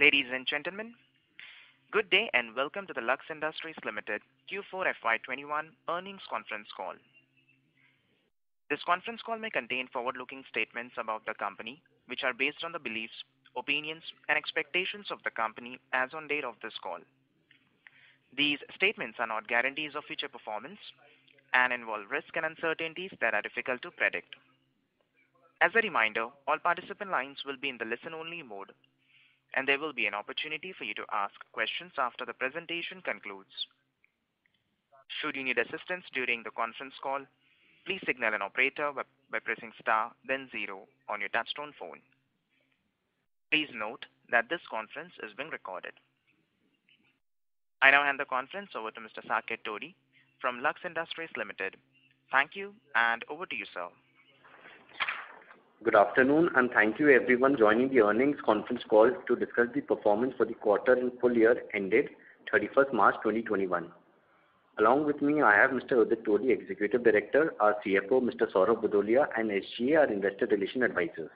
Ladies and gentlemen, good day and welcome to the Lux Industries Limited Q4 FY 2021 earnings conference call. This conference call may contain forward-looking statements about the company, which are based on the beliefs, opinions, and expectations of the company as on date of this call. These statements are not guarantees of future performance and involve risks and uncertainties that are difficult to predict. As a reminder, all participant lines will be in the listen-only mode, and there will be an opportunity for you to ask questions after the presentation concludes. Should you need assistance during the conference call, please signal an operator by pressing star then zero on your touchtone phone. Please note that this conference is being recorded. I now hand the conference over to Mr. Saket Todi from Lux Industries Limited. Thank you, and over to you, sir. Good afternoon. Thank you everyone joining the earnings conference call to discuss the performance for the quarter and full year ended 31st March 2021. Along with me, I have Mr. Udit Todi, Executive Director, our CFO, Mr. Saurabh Bhudholia, and SG, our Investor Relations Advisors.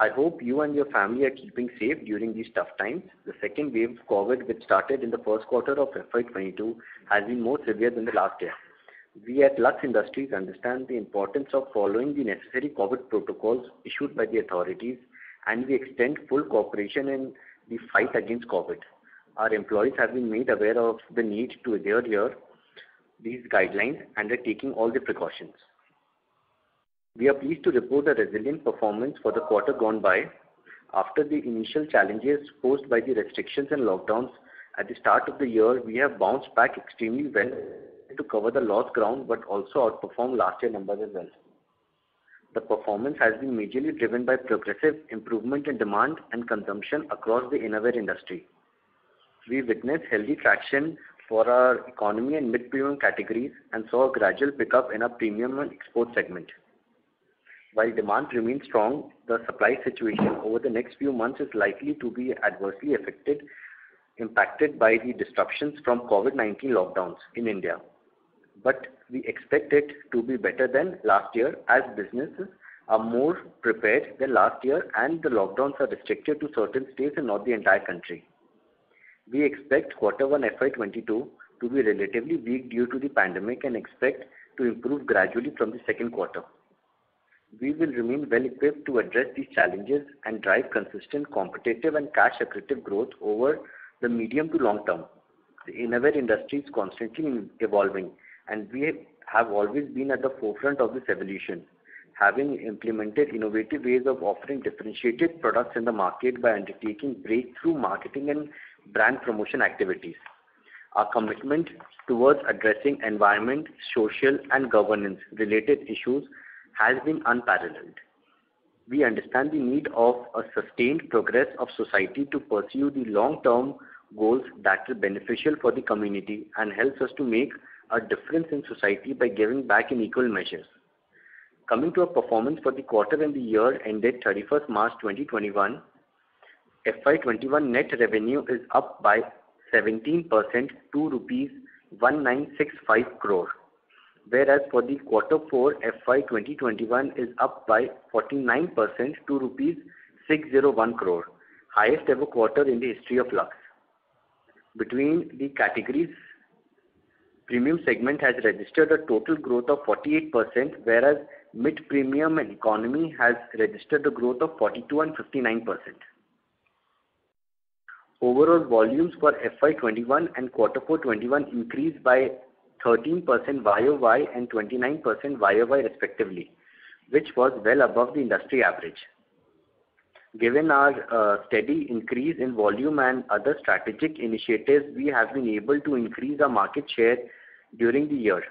I hope you and your family are keeping safe during these tough times. The second wave of COVID, which started in the first quarter of FY 2022, has been more severe than the last year. We at Lux Industries understand the importance of following the necessary COVID protocols issued by the authorities, and we extend full cooperation in the fight against COVID. Our employees have been made aware of the need to adhere to these guidelines and are taking all the precautions. We are pleased to report a resilient performance for the quarter gone by. After the initial challenges posed by the restrictions and lockdowns at the start of the year, we have bounced back extremely well to cover the lost ground, but also outperform last year numbers as well. The performance has been majorly driven by progressive improvement in demand and consumption across the innerwear industry. We witnessed healthy traction for our economy and mid-premium categories and saw a gradual pickup in our premium and export segment. While demand remains strong, the supply situation over the next few months is likely to be adversely affected, impacted by the disruptions from COVID-19 lockdowns in India. We expect it to be better than last year as businesses are more prepared than last year and the lockdowns are restricted to certain states and not the entire country. We expect quarter one FY 2022 to be relatively weak due to the pandemic and expect to improve gradually from the second quarter. We will remain well-equipped to address these challenges and drive consistent, competitive, and cash accretive growth over the medium to long term. The innerwear industry is constantly evolving, and we have always been at the forefront of this evolution, having implemented innovative ways of offering differentiated products in the market by anticipating breakthrough marketing and brand promotion activities. Our commitment towards addressing environment, social, and governance-related issues has been unparalleled. We understand the need of a sustained progress of society to pursue the long-term goals that are beneficial for the community and helps us to make a difference in society by giving back in equal measures. Coming to our performance for the quarter and the year ended 31st March 2021, FY 2021 net revenue is up by 17% to 1,965 crores, whereas for the quarter four FY 2021 is up by 49% to rupees 601 crores, highest-ever quarter in the history of Lux. Between the categories, premium segment has registered a total growth of 48%, whereas mid-premium and economy has registered a growth of 42% and 59%. Overall volumes for FY 2021 and quarter four 2021 increased by 13% YoY and 29% YoY respectively, which was well above the industry average. Given our steady increase in volume and other strategic initiatives, we have been able to increase our market share during the year.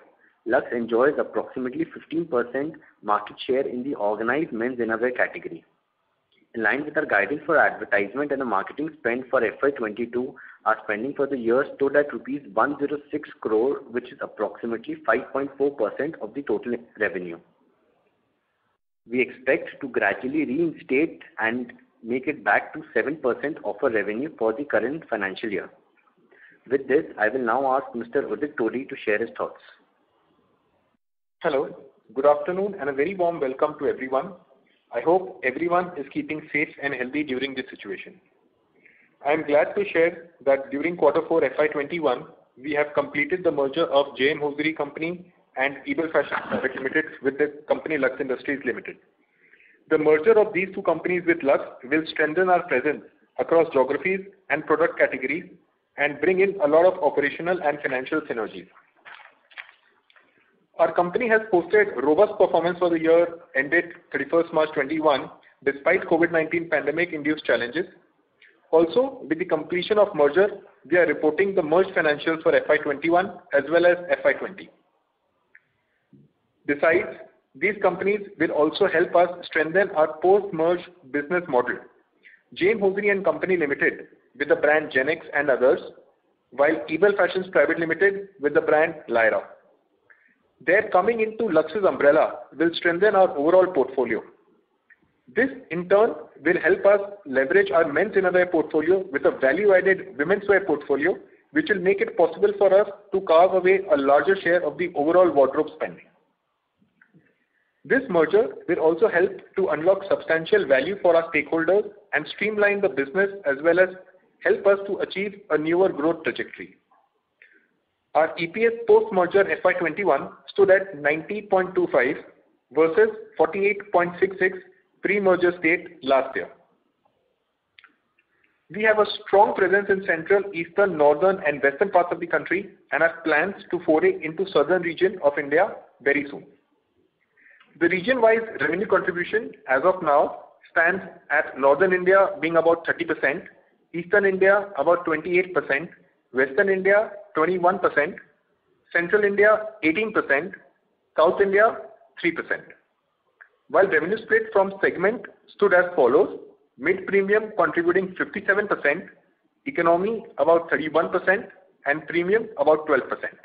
Lux enjoys approximately 15% market share in the organized men's innerwear category. In line with our guidance for advertisement and our marketing spend for FY 2022, our spending for the year stood at rupees 106 crore, which is approximately 5.4% of the total revenue. We expect to gradually reinstate and make it back to 7% of our revenue for the current financial year. With this, I will now ask Mr. Udit Todi to share his thoughts. Hello, good afternoon and a very warm welcome to everyone. I hope everyone is keeping safe and healthy during this situation. I'm glad to share that during quarter four FY 2021, we have completed the merger of J.M. Hosiery & Co. Limited and Ebell Fashions Private Limited with the company Lux Industries Limited. The merger of these two companies with Lux will strengthen our presence across geographies and product categories and bring in a lot of operational and financial synergy. Our company has posted robust performance for the year ended 31st March 2021, despite COVID-19 pandemic-induced challenges. Also, with the completion of merger, we are reporting the merged financials for FY 2021 as well as FY 2020. Besides, these companies will also help us strengthen our post-merger business model. J.M. Hosiery & Co. Limited with the brand JM and others, while Ebell Fashions Private Limited with the brand Lyra. Their coming into Lux's umbrella will strengthen our overall portfolio. This in turn will help us leverage our men's innerwear portfolio with a value-added womenswear portfolio, which will make it possible for us to carve away a larger share of the overall wardrobe spending. This merger will also help to unlock substantial value for our stakeholders and streamline the business, as well as help us to achieve a newer growth trajectory. Our EPS post-merger FY 2021 stood at 90.25 versus 48.66 pre-merger state last year. We have a strong presence in central, eastern, northern, and western parts of the country and have plans to foray into southern region of India very soon. The region-wise revenue contribution as of now stands at Northern India being about 30%, Eastern India about 28%, Western India 21%, Central India 18%, South India 3%. While revenue split from segment stood as follows: Mid-Premium contributing 57%, Economy about 31%, and Premium about 12%.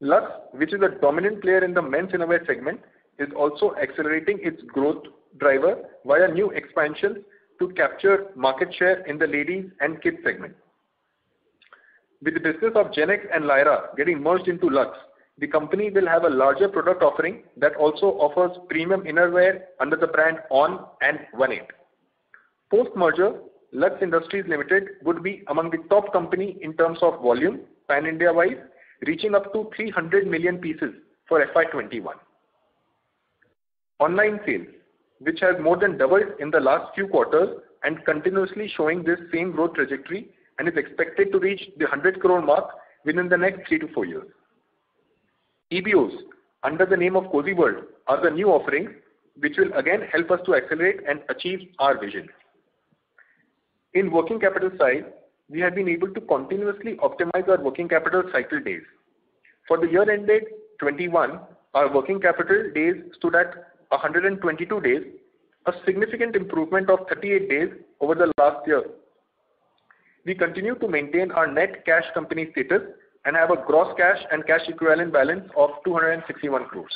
Lux, which is a dominant player in the men's innerwear segment, is also accelerating its growth driver via new expansion to capture market share in the ladies and kids segment. With the business of GenX and Lyra getting merged into Lux, the company will have a larger product offering that also offers premium innerwear under the brand ONN and One8. Post-merger, Lux Industries Limited would be among the top company in terms of volume PAN-India wise, reaching up to 300 million pieces for FY 2021. Online sale, which has more than doubled in the last few quarters and continuously showing this same growth trajectory and is expected to reach the 100 crore mark within the next three to four years. EBOs under the name of Cozi World are the new offerings, which will again help us to accelerate and achieve our vision. In working capital side, we have been able to continuously optimize our working capital cycle days. For the year ending 2021, our working capital days stood at 122 days, a significant improvement of 38 days over the last year. We continue to maintain our net cash company status and have a gross cash and cash equivalent balance of 261 crores.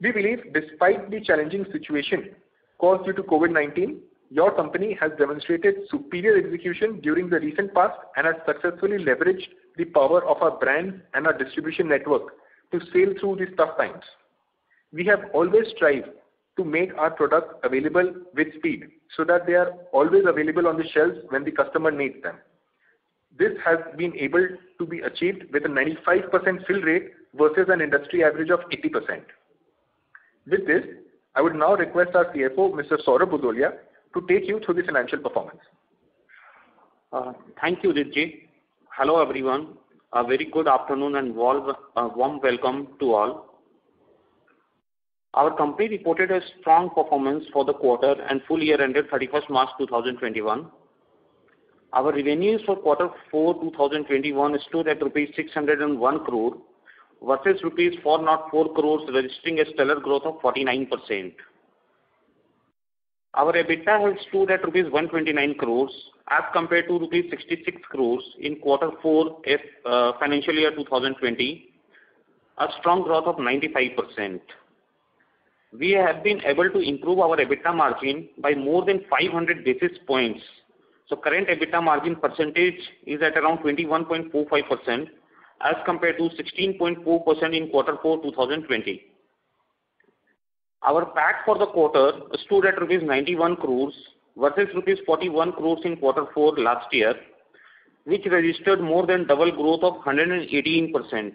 We believe despite the challenging situation caused due to COVID-19, your company has demonstrated superior execution during the recent past and has successfully leveraged the power of our brand and our distribution network to sail through the tough times. We have always strived to make our products available with speed so that they are always available on the shelf when the customer needs them. This has been able to be achieved with a 95% fill rate versus an industry average of 80%. With this, I would now request our CFO, Mr. Saurabh Bhudholia, to take you through the financial performance. Thank you, Udit Ji. Hello, everyone. A very good afternoon and warm welcome to all. Our company reported a strong performance for the quarter and full year ending 31st March 2021. Our revenues for quarter four 2021 stood at 601 crore rupees versus 404 crores rupees, registering a stellar growth of 49%. Our EBITDA stood at 129 crores rupees as compared to 66 crores rupees in quarter four, financial year 2020, a strong growth of 95%. We have been able to improve our EBITDA margin by more than 500 basis points, so current EBITDA margin percentage is at around 21.45% as compared to 16.4% in quarter four 2020. Our PAT for the quarter stood at rupees 91 crores versus rupees 41 crores in quarter four last year, which registered more than double growth of 118%.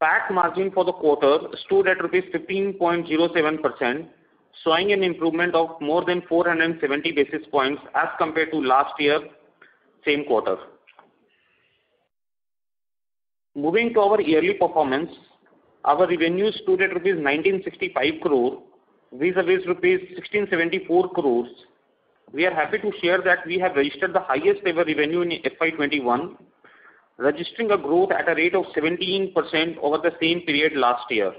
PAT margin for the quarter stood at 15.07%, showing an improvement of more than 470 basis points as compared to last year, same quarter. Moving to our yearly performance, our revenues stood at 1,965 crore vis-à-vis rupees 1,674 crore. We are happy to share that we have registered the highest-ever revenue in FY 2021, registering a growth at a rate of 17% over the same period last year.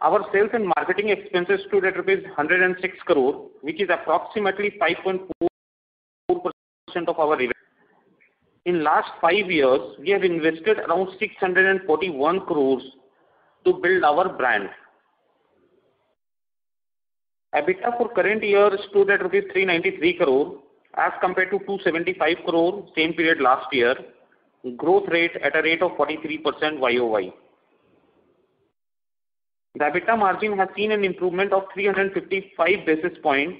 Our sales and marketing expenses stood at rupees 106 crore, which is approximately 5.4% of our revenue. In last five years, we have invested around 641 crore to build our brand. EBITDA for current year stood at INR 393 crore as compared to INR 275 crore same period last year, growth rate at a rate of 43% YoY. The EBITDA margin has seen an improvement of 355 basis points,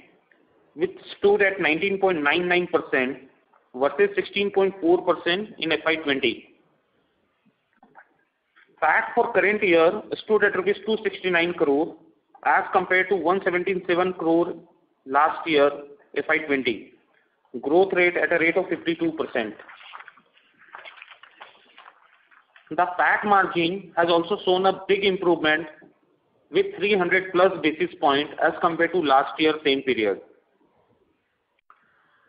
which stood at 19.99% versus 16.4% in FY 2020. PAT for current year stood at rupees 269 crore as compared to 177 crore last year, FY 2020. Growth rate at a rate of 52%. The PAT margin has also shown a big improvement with 300+ basis points as compared to last year, same period.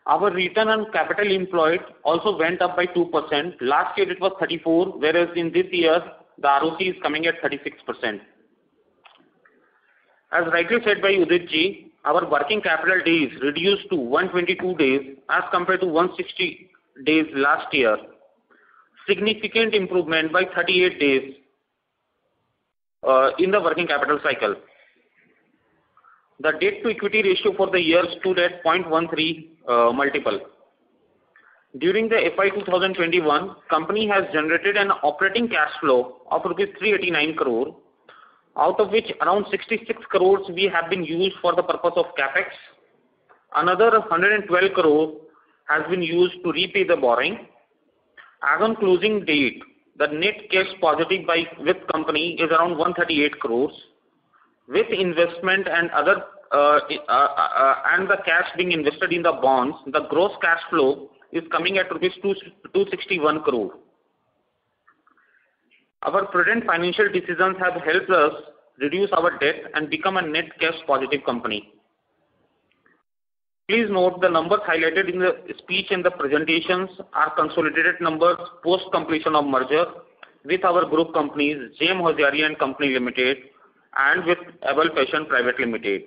Our return on capital employed also went up by 2%. Last year it was 34%, whereas in this year the ROCE is coming at 36%. As rightly said by Udit Todi, our working capital days reduced to 122 days as compared to 160 days last year. Significant improvement by 38 days in the working capital cycle. The debt-to-equity ratio for the year stood at 0.13 multiple. During the FY 2021, company has generated an operating cash flow of rupees 389 crore, out of which around 66 crore we have been used for the purpose of CapEx. Another 112 crore has been used to repay the borrowing. As on closing date, the net cash positive by flip company is around 138 crore. With investment and the cash being invested in the bonds, the gross cash flow is coming at INR 261 crore. Our prudent financial decisions have helped us reduce our debt and become a net cash positive company. Please note the numbers highlighted in the speech and the presentations are consolidated numbers post completion of merger with our group companies, J.M. Hosiery & Co. Limited and with Ebell Fashions Private Limited.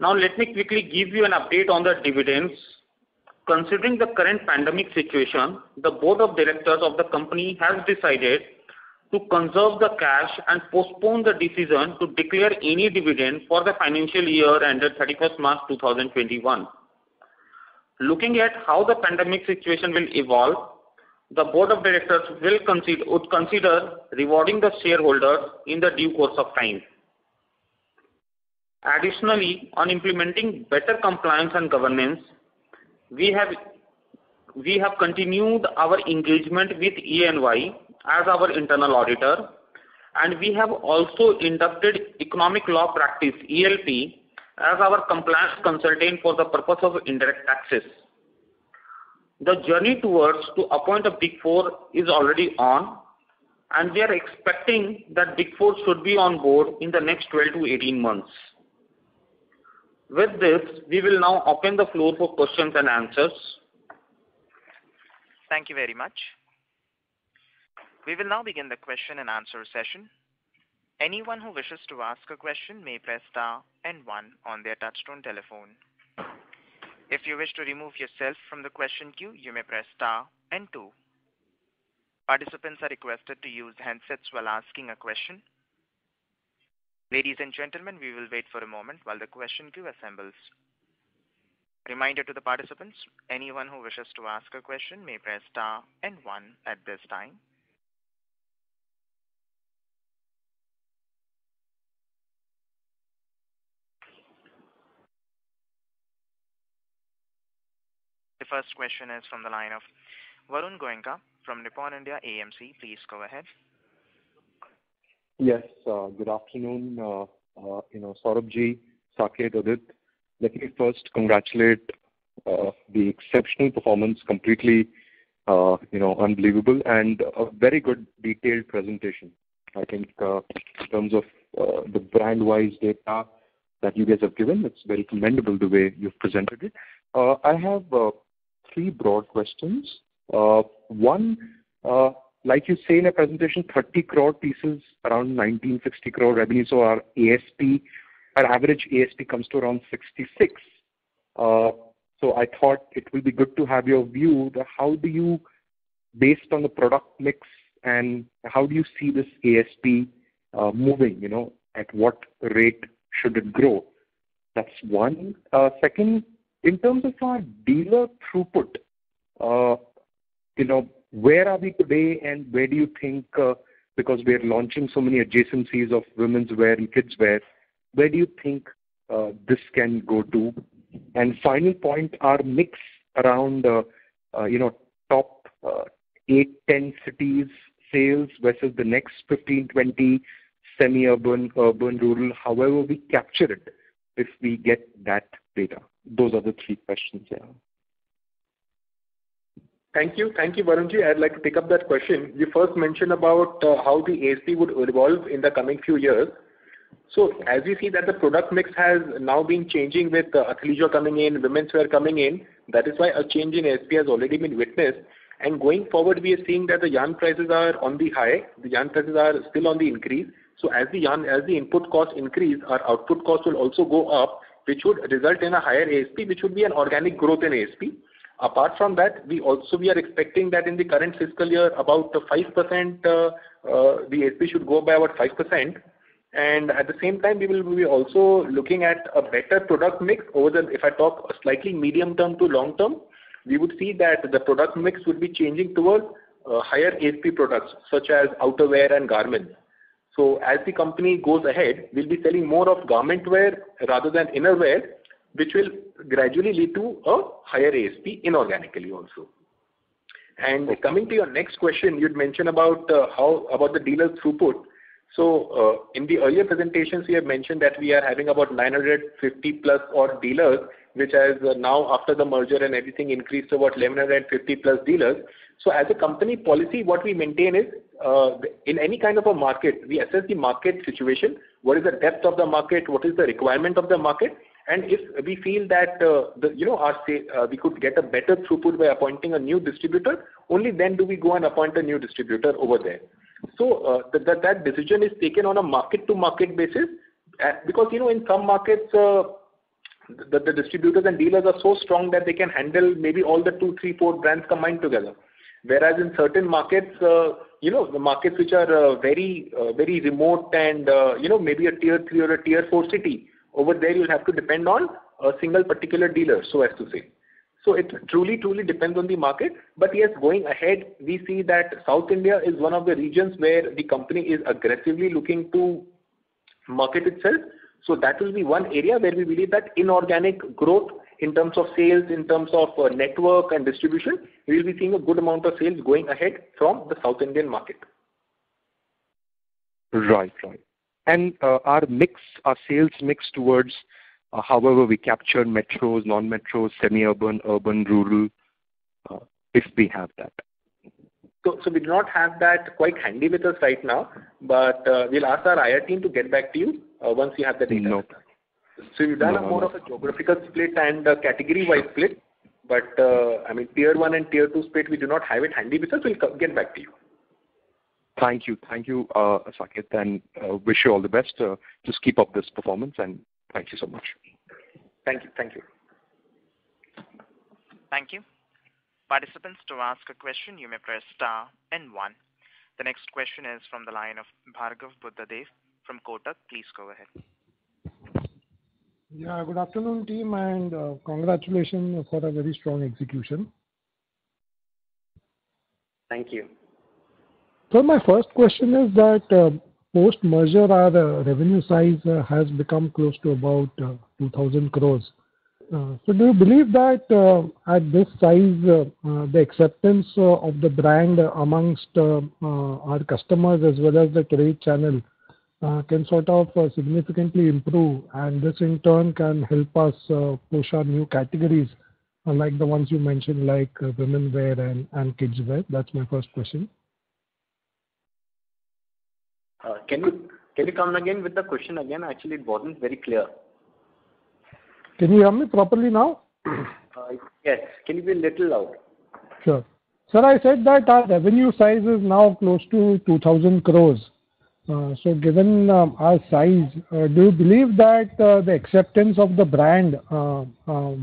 Now, let me quickly give you an update on the dividends. Considering the current pandemic situation, the board of directors of the company has decided to conserve the cash and postpone the decision to declare any dividend for the financial year ended 31st March 2021. Looking at how the pandemic situation will evolve, the board of directors would consider rewarding the shareholders in the due course of time. Additionally, on implementing better compliance and governance, we have continued our engagement with EY as our internal auditor, and we have also inducted Economic Laws Practice, ELP, as our compliance consultant for the purpose of indirect taxes. The journey towards to appoint the Big Four is already on. We are expecting that Big Four should be on board in the next 12-18 months. With this, we will now open the floor for questions and answers. Thank you very much. We will now begin the question-and-answer session. Anyone who wishes to ask a question may press star and one on their touchtone telephone. If you wish to remove yourself from the question queue, you may press star and two. Participants are requested to use handsets while asking a question. Ladies and gentlemen, we will wait for a moment while the question queue assembles. A reminder to participants, anyone who wishes to ask a question may press star and one at this time. The first question is from the line of Varun Goenka from Nippon India AMC. Please go ahead. Good afternoon, Saurabh Ji, Saket, Udit. Let me first congratulate the exceptional performance, completely unbelievable and a very good detailed presentation. I think in terms of the brand-wise data that you guys have given, that's very commendable the way you've presented it. I have three broad questions. One, like you say in a presentation, 30 crore pieces around 1,960 crore revenue, so our average ASP comes to around 66. I thought it will be good to have your view how do you, based on the product mix and how do you see this ASP moving? At what rate should it grow? That's one. Second, in terms of our dealer throughput, where are we today and where do you think, because we are launching so many adjacencies of women's wear and kids wear, where do you think this can go to? Final point, our mix around top eight, 10 cities sales versus the next 15, 20 semi-urban, urban, rural, however we capture it, if we get that data. Those are the three questions. Thank you, Varun Goenka. I'd like to pick up that question. You first mentioned about how the ASP would evolve in the coming few years. As you see that the product mix has now been changing with athleisure coming in, women's wear coming in, that is why a change in ASP has already been witnessed. Going forward, we are seeing that the yarn prices are on the high. The yarn prices are still on the increase. As the input costs increase, our output costs will also go up, which would result in a higher ASP, which should be an organic growth in ASP. Apart from that, we are expecting that in the current fiscal year, the ASP should go by about 5%. At the same time, we will be also looking at a better product mix. If I talk slightly medium-term to long-term, we would see that the product mix would be changing towards higher ASP products such as outerwear and garments. As the company goes ahead, we'll be selling more of garment wear rather than innerwear, which will gradually lead to a higher ASP inorganically also. Coming to your next question, you had mentioned about the dealer throughput. In the earlier presentations, we have mentioned that we are having about 950+ odd dealers, which has now after the merger and everything increased to about 1,150+ dealers. As a company policy, what we maintain is, in any kind of a market, we assess the market situation, what is the depth of the market, what is the requirement of the market, and if we feel that we could get a better throughput by appointing a new distributor, only then do we go and appoint a new distributor over there. That decision is taken on a market-to-market basis. In some markets. The distributors and dealers are so strong that they can handle maybe all the two, three, four brands combined together. Whereas in certain markets, the markets which are very remote and maybe a Tier 3 or a Tier 4 city, over there you'll have to depend on a single particular dealer, so as to say. It truly depends on the market. Yes, going ahead, we see that South India is one of the regions where the company is aggressively looking to market itself. That will be one area where we believe that inorganic growth in terms of sales, in terms of network and distribution, we'll be seeing a good amount of sales going ahead from the South Indian market. Right. Our sales mix towards however we capture metros, non-metros, semi-urban, urban, rural, if we have that. We do not have that quite handy with us right now, but we'll ask our IR team to get back to you once we have that data. We've done more of a geographical split and category-wide split. Tier 1 and Tier 2 split, we do not have it handy with us. We'll get back to you. Thank you. Thank you, Saket, and wish you all the best. Just keep up this performance and thank you so much. Thank you. Thank you. Participants, to ask a question, you may press star and one. The next question is from the line of Bhargav Buddhadev from Kotak. Please go ahead. Yeah. Good afternoon, team, and congratulations for a very strong execution. Thank you. My first question is that post-merger, our revenue size has become close to about 2,000 crore. Do you believe that at this size, the acceptance of the brand amongst our customers as well as the trade channel can sort of significantly improve, and this in turn can help us push our new categories, like the ones you mentioned, like womenswear and kidswear? That's my first question. Can you come again with the question again? Actually, it wasn't very clear. Can you hear me properly now? Yes. Can you be a little loud? Sure. Sir, I said that our revenue size is now close to 2,000 crores. Given our size, do you believe that the acceptance of the brand,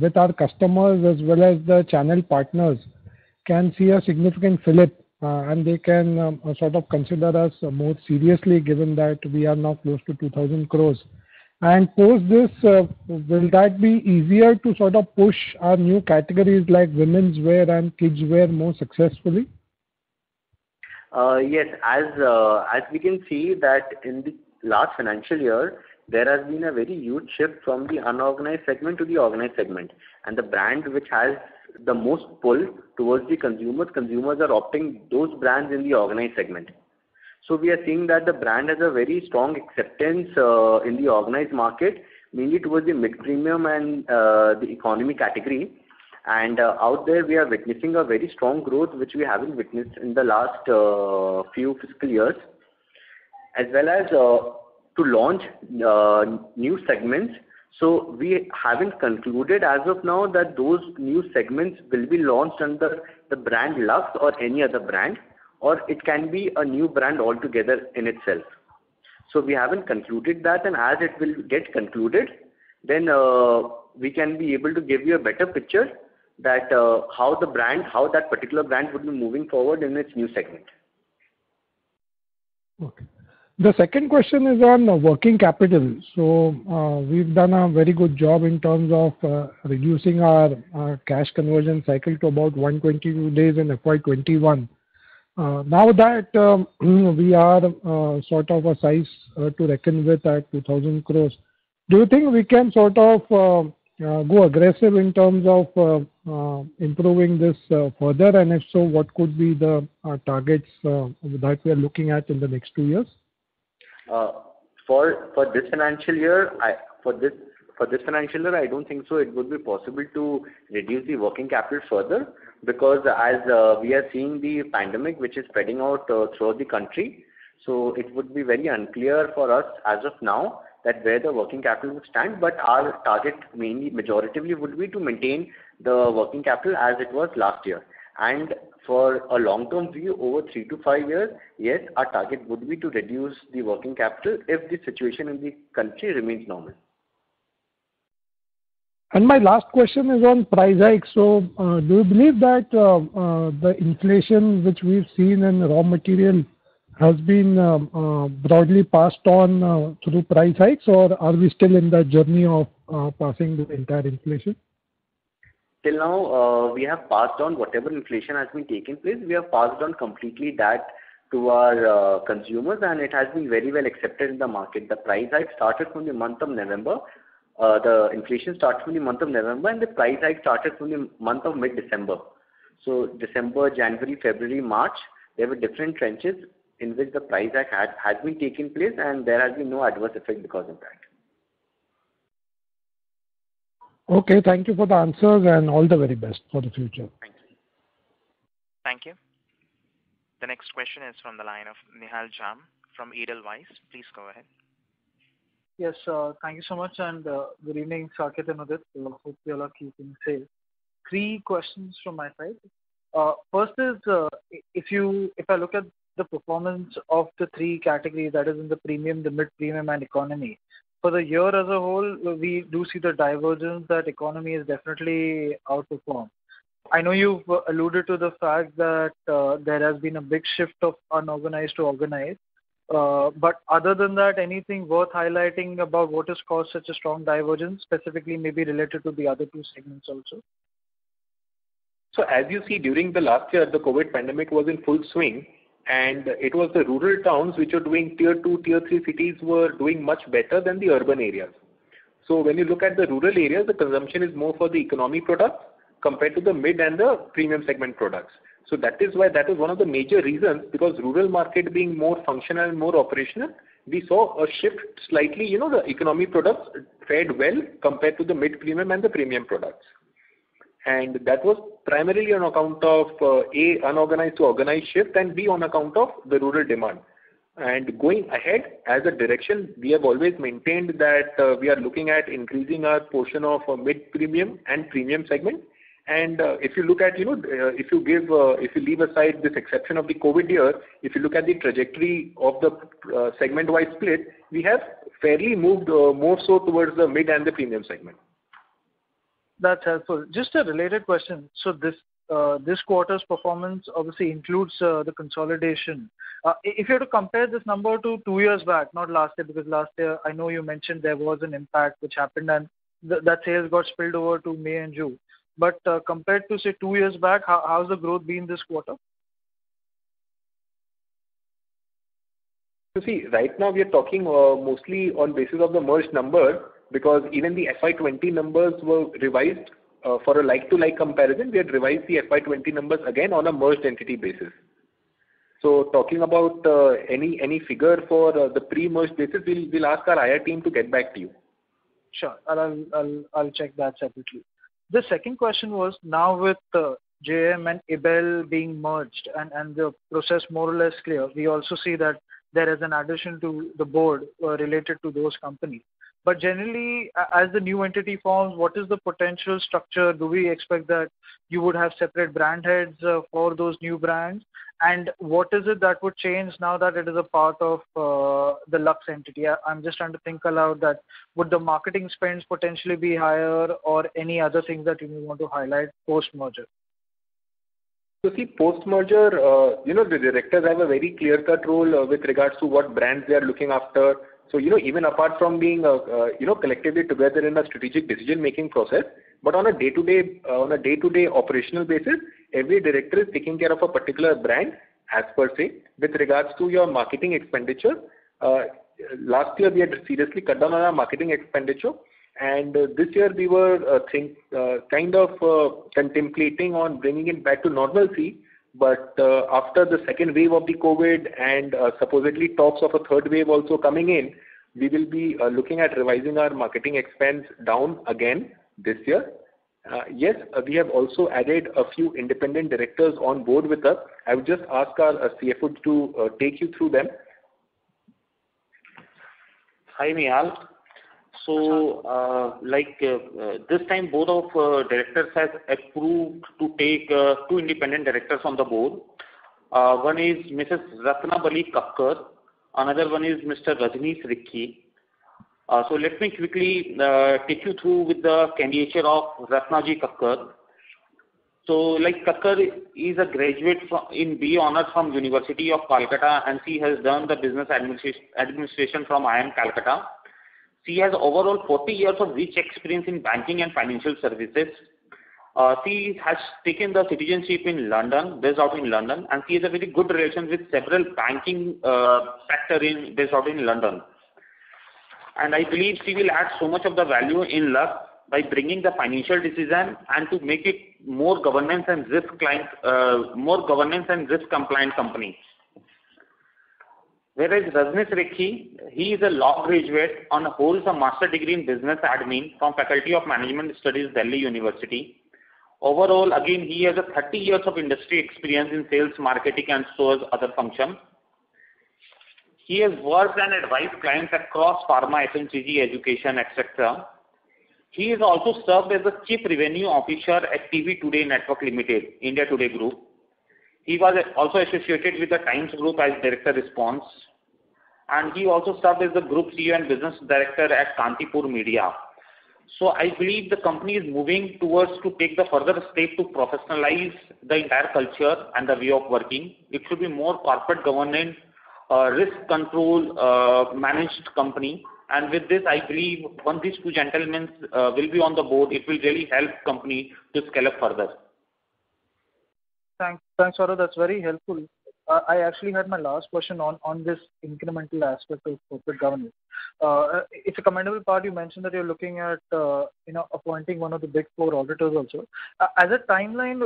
with our customers as well as the channel partners, can see a significant flip, and they can sort of consider us more seriously given that we are now close to 2,000 crores? Post this, will that be easier to sort of push our new categories like womenswear and kidswear more successfully? Yes. As we can see that in the last financial year, there has been a very huge shift from the unorganized segment to the organized segment. The brand which has the most pull towards the consumers are opting those brands in the organized segment. We are seeing that the brand has a very strong acceptance in the organized market, mainly towards the mid-premium and the economy category. Out there, we are witnessing a very strong growth, which we haven't witnessed in the last few fiscal years. As well as to launch new segments. We haven't concluded as of now that those new segments will be launched under the brand Lux or any other brand, or it can be a new brand altogether in itself. We haven't concluded that, and as it will get concluded, then we can be able to give you a better picture that how that particular brand would be moving forward in its new segment. Okay. The second question is on working capital. We've done a very good job in terms of reducing our cash conversion cycle to about 122 days in FY 2021. Now that we are sort of a size to reckon with at 2,000 crores, do you think we can sort of go aggressive in terms of improving this further? If so, what could be the targets that we are looking at in the next two years? For this financial year, I don't think so it would be possible to reduce the working capital further because as we are seeing the pandemic which is spreading out throughout the country, it would be very unclear for us as of now, where the working capital would stand. Our target majorly would be to maintain the working capital as it was last year. For a long-term view over three to five years, yes, our target would be to reduce the working capital if the situation in the country remains normal. My last question is on price hike. Do you believe that the inflation which we've seen in raw material has been broadly passed on through price hikes, or are we still in the journey of passing the entire inflation? Till now, we have passed on whatever inflation has been taking place. We have passed on completely that to our consumers. It has been very well accepted in the market. The inflation started from the month of November. The price hike started from the month of mid-December. December, January, February, March, there were different trenches in which the price hike has been taking place. There has been no adverse effect because of that. Okay. Thank you for the answers and all the very best for the future. Thank you. Thank you. The next question is from the line of Nihal Jham from Edelweiss. Please go ahead. Yes, thank you so much, and good evening, Saket and Udit. Hope you are keeping safe. Three questions from my side. First is, if I look at the performance of the three categories that is in the premium, the mid-premium and economy. For the year as a whole, we do see the divergence that economy has definitely outperformed. I know you've alluded to the fact that there has been a big shift of unorganized to organized. Other than that, anything worth highlighting about what has caused such a strong divergence, specifically maybe related to the other two segments also? As you see, during the last year, the COVID pandemic was in full swing, and it was the rural towns which are doing Tier 2, Tier 3 cities were doing much better than the urban areas. When you look at the rural areas, the consumption is more for the economy products compared to the mid and the premium segment products. That is why that is one of the major reasons, because rural market being more functional and more operational, we saw a shift slightly, the economy products fared well compared to the mid-premium and the premium products. That was primarily on account of, A, unorganized to organized shift, and B, on account of the rural demand. Going ahead, as a direction, we have always maintained that we are looking at increasing our portion of mid-premium and premium segment. If you leave aside this exception of the COVID-19 year, if you look at the trajectory of the segment-wide split, we have fairly moved more so towards the mid and the premium segment. That's helpful. Just a related question. This quarter's performance obviously includes the consolidation. If you had to compare this number to two years back, not last year, because last year, I know you mentioned there was an impact which happened and that sales got spilled over to May and June. Compared to, say, two years back, how has the growth been this quarter? You see, right now we are talking mostly on basis of the merged numbers because even the FY 2020 numbers were revised. For a like-to-like comparison, we had revised the FY 2020 numbers again on a merged entity basis. Talking about any figure for the pre-merged basis, we'll ask our IR team to get back to you. Sure. I'll check that separately. The second question was, now with JM and Ebell being merged and the process more or less clear, we also see that there is an addition to the board related to those companies. Generally, as a new entity forms, what is the potential structure? Do we expect that you would have separate brand heads for those new brands? What is it that would change now that it is a part of the Lux entity? I'm just trying to think aloud that would the marketing spends potentially be higher or any other thing that you want to highlight post-merger? Post-merger, the directors have a very clear-cut role with regards to what brand they are looking after. Even apart from being collectively together in a strategic decision-making process, but on a day-to-day operational basis, every director is taking care of a particular brand as per se. With regards to your marketing expenditure, last year we had to seriously cut down on our marketing expenditure, and this year we were kind of contemplating on bringing it back to normalcy. After the second wave of the COVID and supposedly talks of a third wave also coming in, we will be looking at revising our marketing expense down again this year. Yes, we have also added a few independent directors on board with us. I would just ask our CFO to take you through them. Hi, Nihal. This time Board of Directors has approved to take two independent directors on the Board. One is Mrs. Ratnabali Kakkar, another one is Mr. Rajnish Rikhy. Let me quickly take you through with the candidature of Ratnabali Kakkar. Kakkar is a graduate in B.A. Honors from University of Calcutta, and she has done the business administration from IIM Calcutta. She has overall 40 years of rich experience in banking and financial services. She has taken the citizenship in London, based out in London, and she has a very good relation with several banking sector based out in London. I believe she will add so much of the value in Lux by bringing the financial decision and to make it more governance and risk-compliant company. Rajnish Rikhy, he is a law graduate and holds a master's degree in business admin from Faculty of Management Studies, University of Delhi. Overall, again, he has 30 years of industry experience in sales, marketing, and stores, other functions. He has worked and advised clients across pharma, FMCG, education, et cetera. He has also served as a Chief Revenue Officer at T.V. Today Network Limited, India Today Group. He was also associated with The Times Group as Director Response, and he also served as the Group CEO and Business Director at Kantipur Media Group. I believe the company is moving towards to take a further step to professionalize the entire culture and the way of working. It should be more corporate governance, risk control, managed company. With this, I believe once these two gentlemen will be on the board, it will really help company to scale up further. Thanks, Saurabh. That's very helpful. I actually had my last question on this incremental aspect of corporate governance. In the commendable part, you mentioned that you're looking at appointing one of the Big Four auditors also. As a timeline,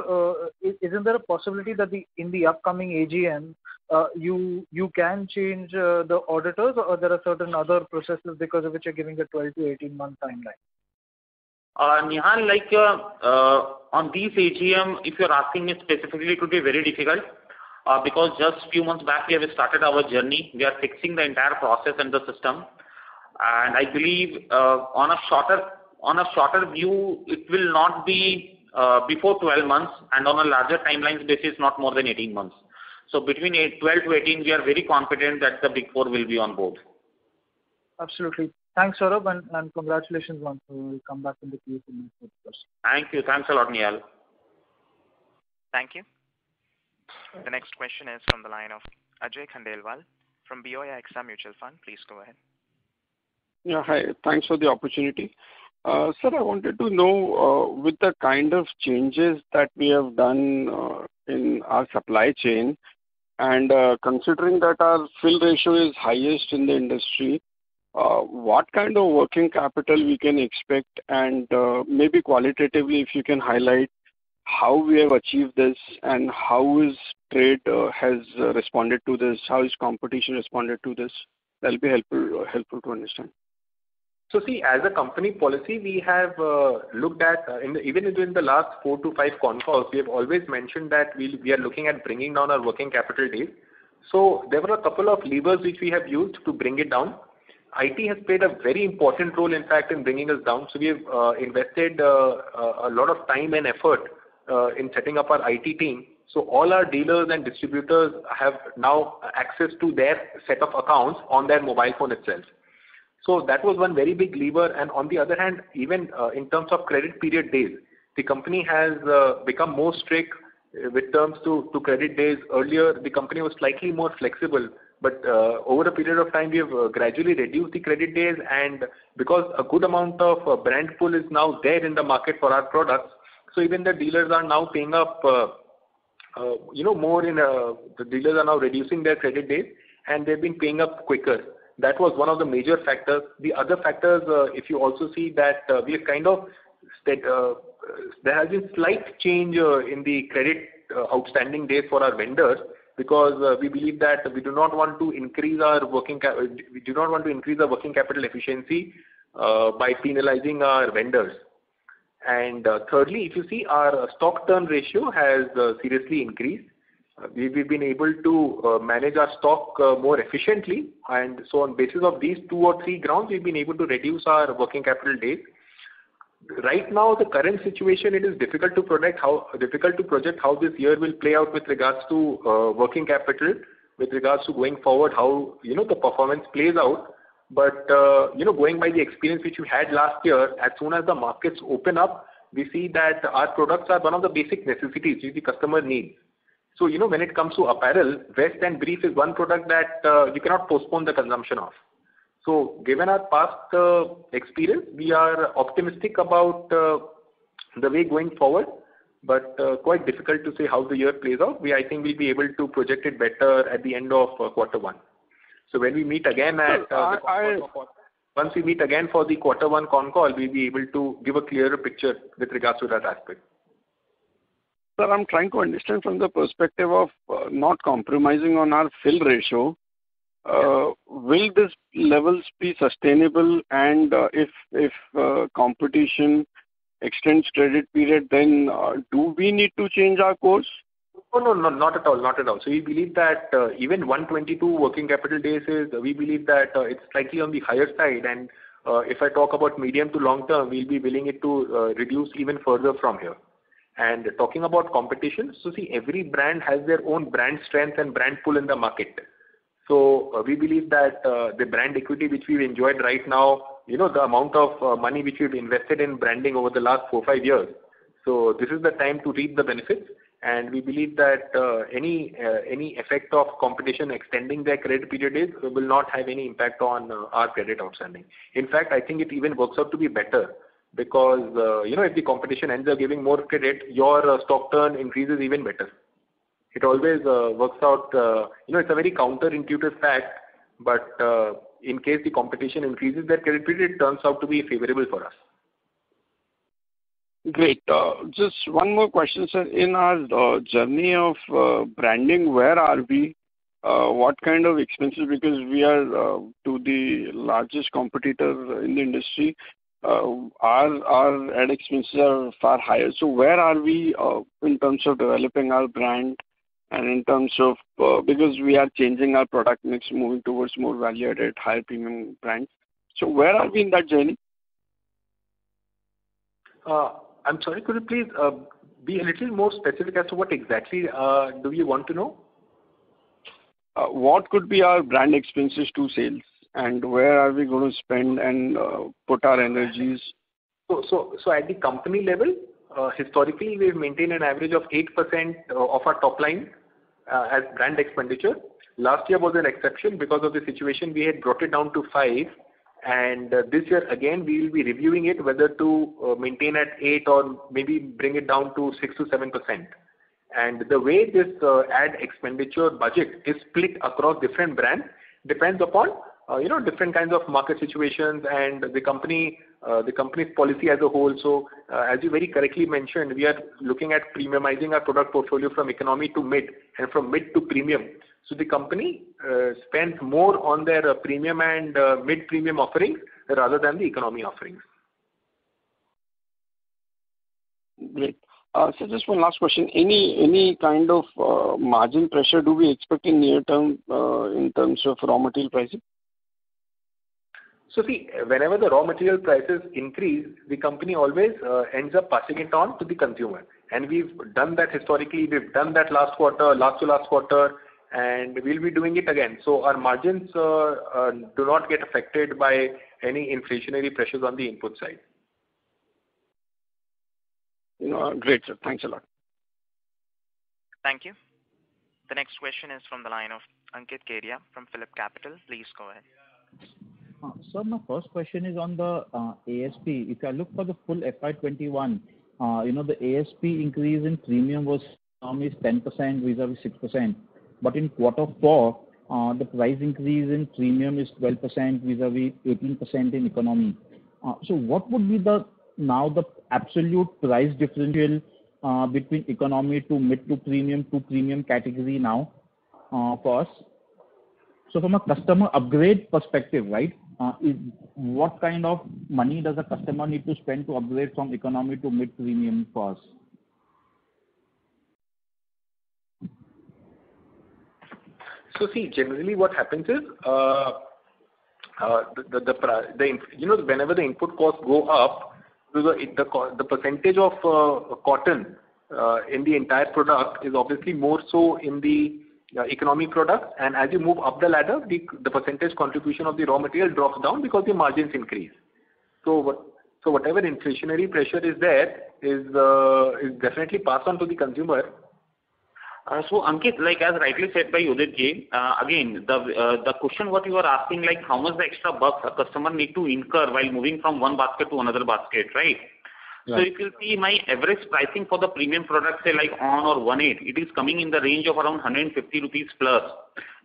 is there a possibility that in the upcoming AGM, you can change the auditors, or there are certain other processes because of which you're giving the 12-18-month timeline? Nihal, on this AGM, if you're asking it specifically, it will be very difficult. Because just a few months back we have started our journey. We are fixing the entire process and the system, and I believe on a shorter view, it will not be before 12 months, and on a larger timeline, this is not more than 18 months. So between 12-18 months, we are very confident that the Big Four will be on board. Absolutely. Thanks, Saurabh, and congratulations once again. We'll come back with you for any quick questions. Thank you. Thanks a lot, Nihal. Thank you. The next question is from the line of Ajay Khandelwal from BOI AXA Mutual Fund. Please go ahead. Yeah, hi. Thanks for the opportunity. Sir, I wanted to know, with the kind of changes that we have done in our supply chain and considering that our fill ratio is highest in the industry, what kind of working capital we can expect? Maybe qualitatively, if you can highlight how we have achieved this and how trade has responded to this, how has competition responded to this? That'll be helpful to understand. See, as a company policy, we have looked at, even within the last four to five con calls, we have always mentioned that we are looking at bringing down our working capital day. There were a couple of levers which we have used to bring it down. IT has played a very important role, in fact, in bringing this down. We have invested a lot of time and effort in setting up our IT team. All our dealers and distributors have now access to their set of accounts on their mobile phone itself. That was one very big lever. On the other hand, even in terms of credit period days, the company has become more strict with terms to credit days. Earlier, the company was slightly more flexible, but over a period of time, we have gradually reduced the credit days. Because a good amount of brand pull is now there in the market for our products, so even the dealers are now paying up more. The dealers are now reducing their credit days, and they've been paying up quicker. That was one of the major factors. The other factors, if you also see that there has been slight change in the credit outstanding day for our vendors because we believe that we do not want to increase our working capital efficiency by penalizing our vendors. Thirdly, if you see our stock turn ratio has seriously increased. We've been able to manage our stock more efficiently. On basis of these two or three grounds, we've been able to reduce our working capital days. Right now, the current situation, it is difficult to project how this year will play out with regards to working capital, with regards to going forward, how the performance plays out. Going by the experience which we had last year, as soon as the markets open up, we see that our products are one of the basic necessities which the customer needs. When it comes to apparel, vest and brief is one product that we cannot postpone the consumption of. Given our past experience, we are optimistic about the way going forward, but quite difficult to say how the year plays out. I think we'll be able to project it better at the end of quarter one. Sir. Once we meet again for the quarter one con call, we'll be able to give a clearer picture with regards to that aspect. Sir, I'm trying to understand from the perspective of not compromising on our fill ratio. Will these levels be sustainable? If competition extends credit period, do we need to change our course? No, not at all. We believe that even 122 working capital days, we believe that it's slightly on the higher side. If I talk about medium to long-term, we'll be willing it to reduce even further from here. Talking about competition, see, every brand has their own brand strength and brand pull in the market. We believe that the brand equity which we enjoyed right now, the amount of money which we've invested in branding over the last four, five years. This is the time to reap the benefits, and we believe that any effect of competition extending their credit period days will not have any impact on our credit outstanding. In fact, I think it even works out to be better because if the competition ends up giving more credit, your stock turn increases even better. It always works out. It's a very counterintuitive fact, in case the competition increases their credit period, it turns out to be favorable for us. Great. Just one more question, sir. In our journey of branding, where are we? What kind of expenses? We are to the largest competitor in the industry. Our ad expenses are far higher. Where are we in terms of developing our brand Because we are changing our product mix, moving towards more value-added, high premium brands. Where are we in that journey? I'm sorry, could you please be a little more specific as to what exactly do you want to know? What could be our brand expenses to sales, and where are we going to spend and put our energies? At the company level, historically, we've maintained an average of 8% of our top line as brand expenditure. Last year was an exception. Because of the situation, we had brought it down to 5%, this year again, we'll be reviewing it whether to maintain at 8% or maybe bring it down to 6%-7%. The way this ad expenditure budget is split across different brands depends upon different kinds of market situations and the company policy as a whole. As you very correctly mentioned, we are looking at premiumizing our product portfolio from economy to mid and from mid to premium. The company spends more on their premium and mid-premium offerings rather than the economy offerings. Great. Sir, just one last question. Any kind of margin pressure do we expect in near term in terms of raw material pricing? Whenever the raw material prices increase, the company always ends up passing it on to the consumer. We've done that historically. We've done that last quarter, last to last quarter, and we'll be doing it again. Our margins do not get affected by any inflationary pressures on the input side. Great. Thanks a lot. Thank you. The next question is from the line of Ankit Kedia from PhillipCapital. Please go ahead. Sir, my first question is on the ASP. If I look for the full FY 2021, the ASP increase in premium was only 10% vis-à-vis 6%. In Q4, the price increase in premium is 12% vis-à-vis 18% in economy. What would be now the absolute price differential between economy to mid to premium to premium category now first? From a customer upgrade perspective, what kind of money does a customer need to spend to upgrade from economy to mid premium first? See, generally what happens is, whenever the input costs go up, the percentage of cotton in the entire product is obviously more so in the economy product. As you move up the ladder, the percentage contribution of the raw material drops down because the margins increase. Whatever inflationary pressure is there is definitely passed on to the consumer. Ankit Kedia, like as rightly said by Udit Todi, again, the question what you are asking like how much extra bucks a customer need to incur while moving from one basket to another basket, right? Yeah. If you see my average pricing for the premium product, say like ONN or One8, it is coming in the range of around 150+ rupees.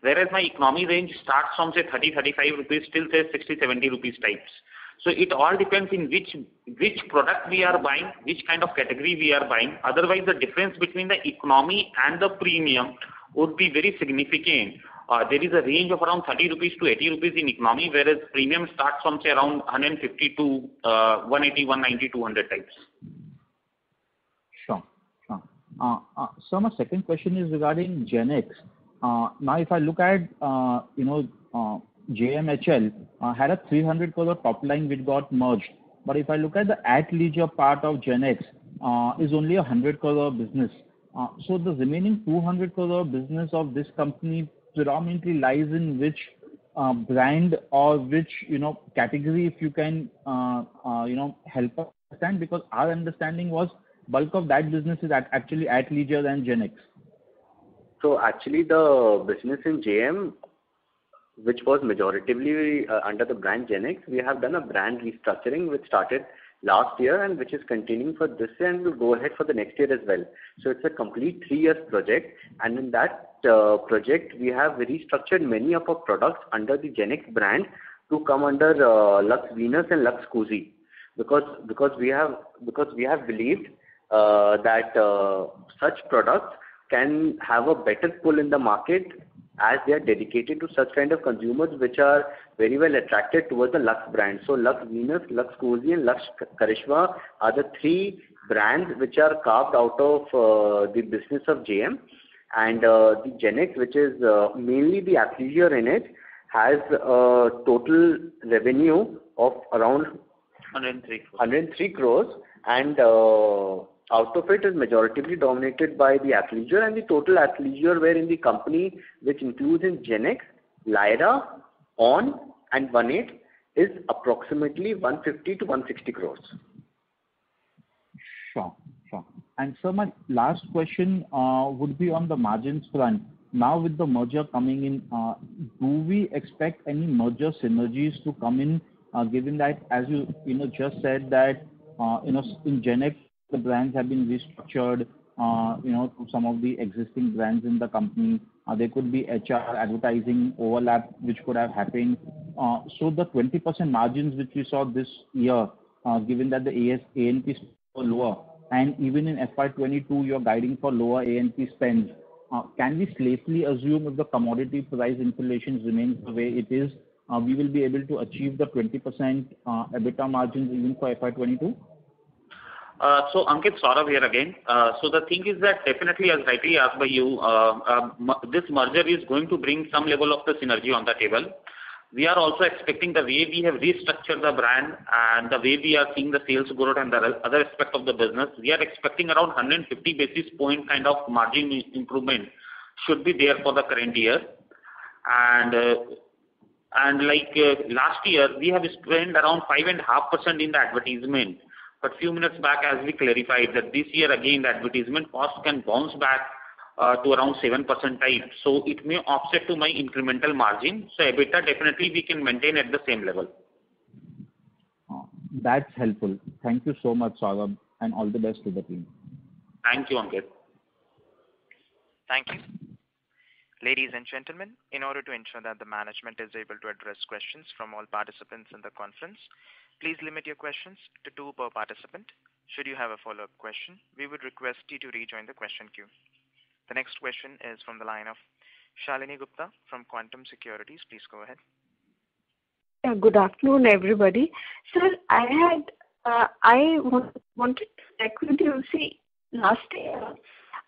Whereas my economy range starts from, say, 30 rupees, 35 rupees till say 60 rupees, 70 rupees types. It all depends on which product we are buying, which kind of category we are buying. Otherwise, the difference between the economy and the premium would be very significant. There is a range of around 30-80 rupees in economy, whereas premium starts from say around 150-180, 190, 200 types. Sure. Sir, my second question is regarding GenX. Now, if I look at JMHL, had a 300 crore top line which got merged. If I look at the Athleisure part of GenX, is only a 100 crore business. The remaining 200 crore business of this company predominantly lies in which brand or which category, if you can help us understand, because our understanding was bulk of that business is actually Athleisure and GenX. Actually, the business in JM, which was majority under the brand GenX, we have done a brand restructuring, which started last year and which is continuing for this year, and will go ahead for the next year as well. It’s a complete three-year project. In that project, we have restructured many of our products under the GenX brand to come under Lux Venus and Lux Cozi, because we have believed that such products can have a better pull in the market as they are dedicated to such kind of consumers which are very well attracted towards the Lux brand. Lux Venus, Lux Cozi, and Lux Karishma are the three brands which are carved out of the business of JM. The GenX, which is mainly the athleisure in it, has a total revenue of around. 103 crores. 103 crores. Out of it is majorly dominated by the Athleisure. The total Athleisure wherein the company, which includes GenX, Lyra, ONN, and One8, is approximately INR 150 crores-INR 160 crores. Sure. Sir, my last question would be on the margins front. Now with the merger coming in, do we expect any merger synergies to come in, given that, as you just said that, in GenX, the brands have been restructured, to some of the existing brands in the company. There could be HR, advertising overlap which could have happened. The 20% margins which we saw this year, given that the A&P is lower, and even in FY 2022, you're guiding for lower A&P spend. Can we safely assume if the commodity price inflation remains the way it is, we will be able to achieve the 20% EBITDA margins in FY 2022? Ankit, Saurabh here again. The thing is that definitely, as rightly asked by you, this merger is going to bring some level of the synergy on the table. We are also expecting the way we have restructured the brand and the way we are seeing the sales growth and the other aspects of the business. We are expecting around 150 basis point kind of margin improvement should be there for the current year. Like last year, we have spent around 5.5% in advertisement. Few minutes back, as we clarified that this year again, advertisement costs can bounce back to around 7% types. It may offset to my incremental margin. EBITDA definitely we can maintain at the same level. That's helpful. Thank you so much, Saurabh, and all the best to the team. Thanks, Ankit. Thank you. Ladies and gentlemen, in order to ensure that the management is able to address questions from all participants in the conference, please limit your questions to two per participant. Should you have a follow-up question, we would request you to rejoin the question queue. The next question is from the line of Shalini Gupta from Quantum Securities. Please go ahead. Yeah. Good afternoon, everybody. Sir, I wanted to check with you, see, last year,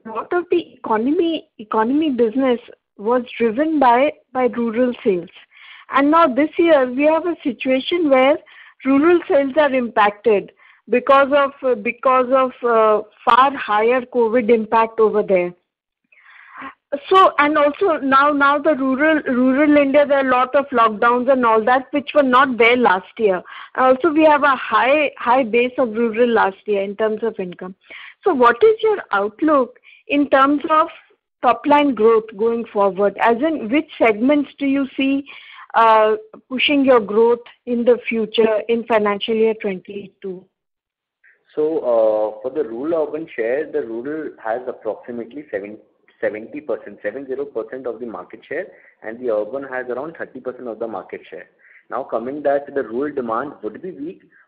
a lot of the economy business was driven by rural sales. Now this year, we have a situation where rural sales are impacted because of far higher COVID-19 impact over there. Also now the rural India, there are a lot of lockdowns and all that, which were not there last year. Also, we have a high base of rural last year in terms of income. What is your outlook in terms of top-line growth going forward? As in which segments do you see pushing your growth in the future in financial year 2022? For the rural-urban share, the rural has approximately 70% of the market share, and the urban has around 30% of the market share. Coming back to the rural demand,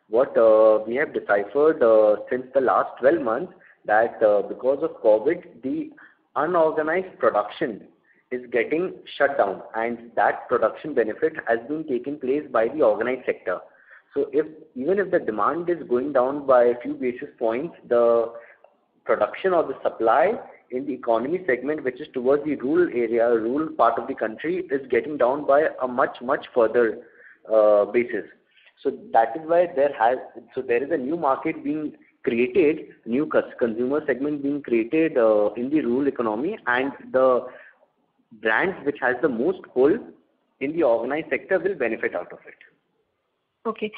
what we have deciphered since the last 12 months, that because of COVID, the unorganized production is getting shut down, and that production benefit has been taking place by the organized sector. Even if the demand is going down by a few basis points, the production or the supply in the economy segment, which is towards the rural area, rural part of the country, is getting down by a much further basis. There is a new market being created, new consumer segment being created in the rural economy, and the brands which has the most hold in the organized sector will benefit out of it. Okay.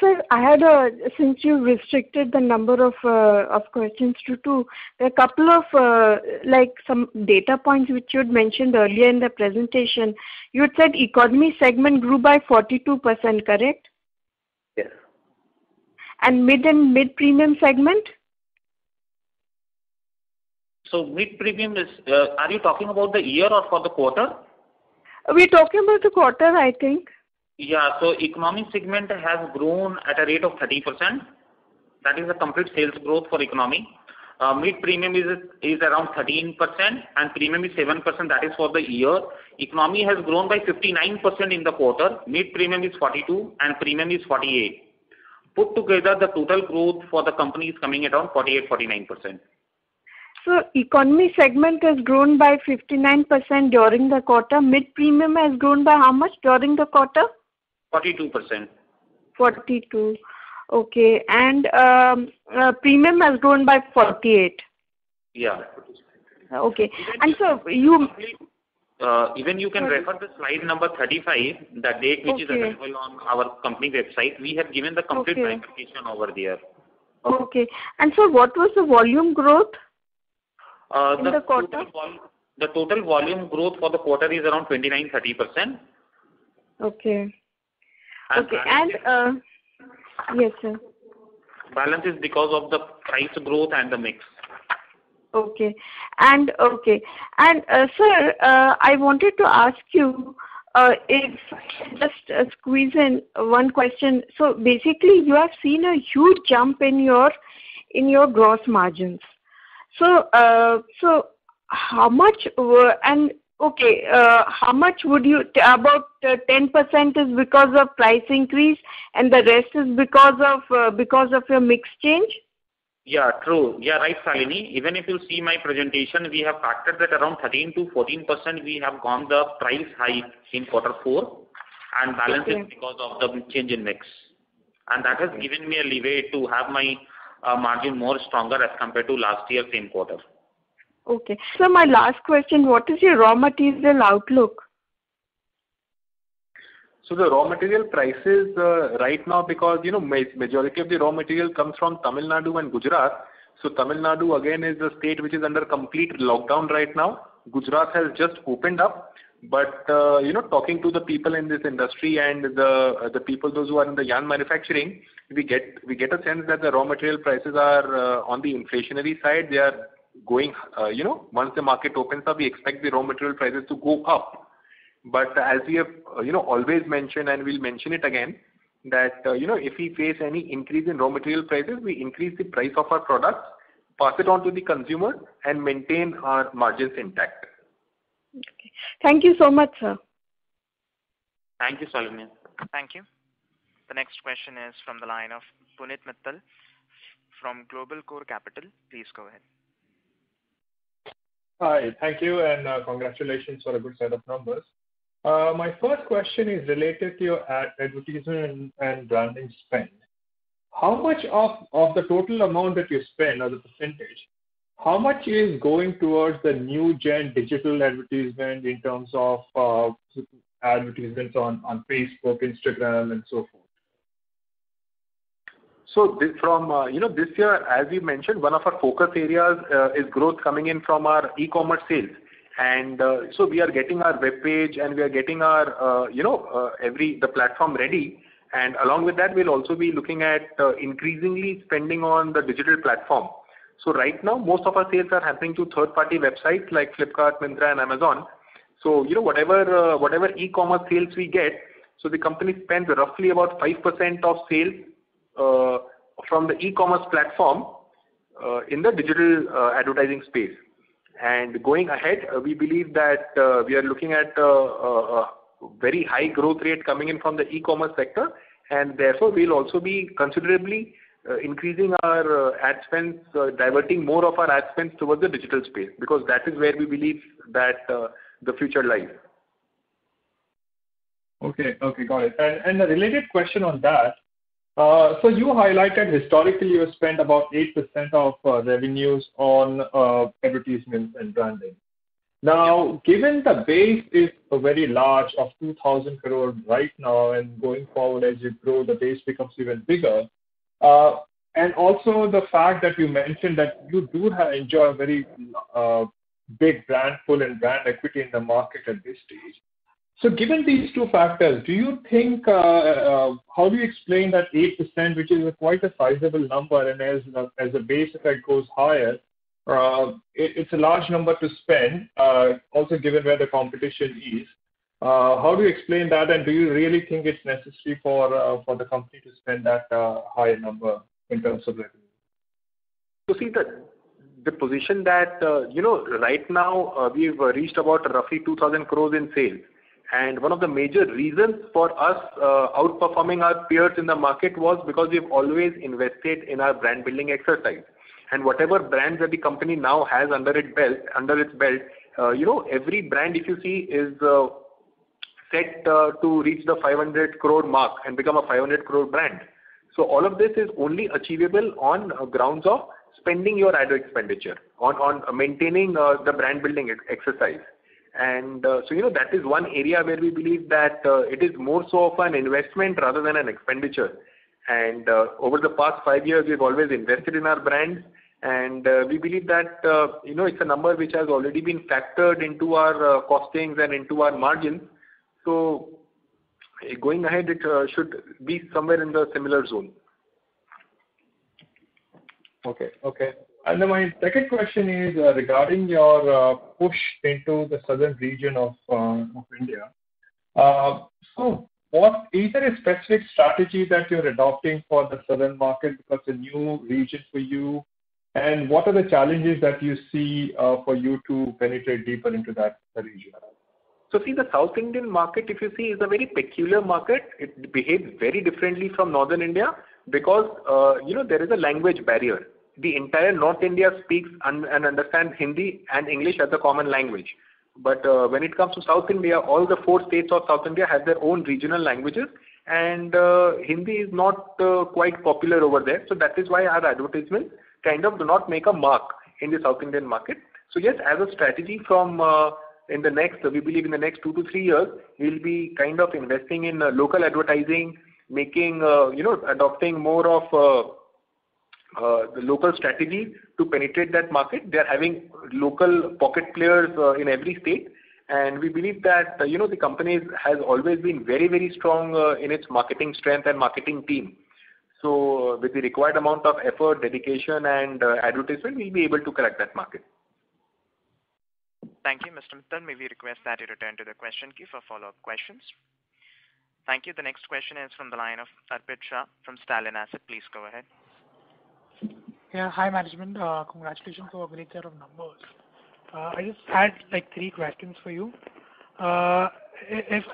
Sir, since you restricted the number of questions to two, a couple of some data points which you had mentioned earlier in the presentation. You had said economy segment grew by 42%, correct? Yes. Mid and mid-premium segment? Are you talking about the year or for the quarter? We're talking about the quarter, I think. Economy segment has grown at a rate of 30%. That is the complete sales growth for Economy. Mid-Premium is around 13%, and Premium is 7%, that is for the year. Economy has grown by 59% in the quarter, Mid-Premium is 42%, and Premium is 48%. Put together, the total growth for the company is coming around 48%-49%. Economy segment has grown by 59% during the quarter. Mid-premium has grown by how much during the quarter? 42%. 42%, okay. Premium has grown by 48%. Yeah, 48. Okay. Sir, Even you can refer to slide number 35, that which is available on our company website. We have given the complete breakdown over there. Okay. Sir, what was the volume growth for the quarter? The total volume growth for the quarter is around 29%-30%. Okay. Yes, sir. Balance is because of the price growth and the mix. Okay. Sir, I wanted to ask you, if I can just squeeze in one question. Basically, you have seen a huge jump in your gross margins. About 10% is because of price increase, and the rest is because of your mix change? Yeah, true. You're right, Shalini. Even if you see my presentation, we have factored that around 13%-14% we have gone the price hike in quarter four, and balance is because of the change in mix. That has given me a leeway to have my margin more stronger as compared to last year same quarter. Okay. Sir, my last question, what is your raw material outlook? The raw material prices right now, because majority of the raw material comes from Tamil Nadu and Gujarat. Tamil Nadu again is a state which is under complete lockdown right now. Gujarat has just opened up. Talking to the people in this industry and the people those who are in the yarn manufacturing, we get a sense that the raw material prices are on the inflationary side. Once the market opens up, we expect the raw material prices to go up. As we have always mentioned, and we'll mention it again, that if we face any increase in raw material prices, we increase the price of our products, pass it on to the consumer, and maintain our margins intact. Okay. Thank you so much, sir. Thank you, Shalini. Thank you. The next question is from the line of Punit Mittal from Globalcore Capital. Please go ahead. Hi. Thank you, and congratulations for a good set of numbers. My first question is related to your advertisement and branding spend. How much of the total amount that you spend or the percentage, how much is going towards the new-gen digital advertisement in terms of advertisements on Facebook, Instagram, and so forth? This year, as we mentioned, one of our focus areas is growth coming in from our e-commerce sales. We are getting our webpage and we are getting the platform ready. Along with that, we'll also be looking at increasingly spending on the digital platform. Right now, most of our sales are happening through third-party websites like Flipkart, Myntra, and Amazon. Whatever e-commerce sales we get, the company spends roughly about 5% of sales from the e-commerce platform. In the digital advertising space. Going ahead, we believe that we are looking at a very high growth rate coming in from the e-commerce sector, and therefore we'll also be considerably increasing our ad spend, diverting more of our ad spend towards the digital space, because that is where we believe that the future lies. Okay. Got it. A related question on that. You highlighted historically you have spent about 8% of revenues on advertisements and branding. Given the base is very large, of 2,000 crore right now, going forward, as you grow, the base becomes even bigger. Also the fact that you mentioned that you do enjoy a very big brand pull and brand equity in the market at this stage. Given these two factors, how do you explain that 8%, which is quite a sizable number, and as the base effect goes higher, it's a large number to spend, also given where the competition is. How do you explain that, and do you really think it's necessary for the company to spend at a high number in terms of revenue? You see the position that right now, we've reached about roughly 2,000 crore in sales. One of the major reasons for us outperforming our peers in the market was because we've always invested in our brand-building exercise. Whatever brands that the company now has under its belt, every brand, if you see, is set to reach the 500 crore mark and become an 500 crore brand. All of this is only achievable on grounds of spending your ad expenditure, on maintaining the brand-building exercise. That is one area where we believe that it is more so of an investment rather than an expenditure. Over the past five years, we've always invested in our brand, and we believe that it's a number which has already been factored into our costings and into our margin. Going ahead, it should be somewhere in the similar zone. Okay. My second question is regarding your push into the southern region of India. What is the specific strategy that you're adopting for the southern market as a new region for you, and what are the challenges that you see for you to penetrate deeper into that region? The South Indian market, if you see, is a very peculiar market. It behaves very differently from Northern India because there is a language barrier. The entire North India speaks and understands Hindi and English as a common language. When it comes to South India, all the four states of South India have their own regional languages, and Hindi is not quite popular over there. That is why our advertisements kind of do not make a mark in the South Indian market. Yes, as a strategy from, we believe in the next two to three years, we'll be kind of investing in local advertising, adopting more of the local strategy to penetrate that market. They're having local pocket players in every state, and we believe that the company has always been very strong in its marketing strength and marketing team. With the required amount of effort, dedication, and advertisement, we'll be able to crack that market. Thank you, Mr. Mittal. We request that you attend to the question queue for follow-up questions. Thank you. The next question is from the line of Arpit Shah from Stallion Asset. Please go ahead. Yeah. Hi, management. Congratulations over there on numbers. I just had three questions for you.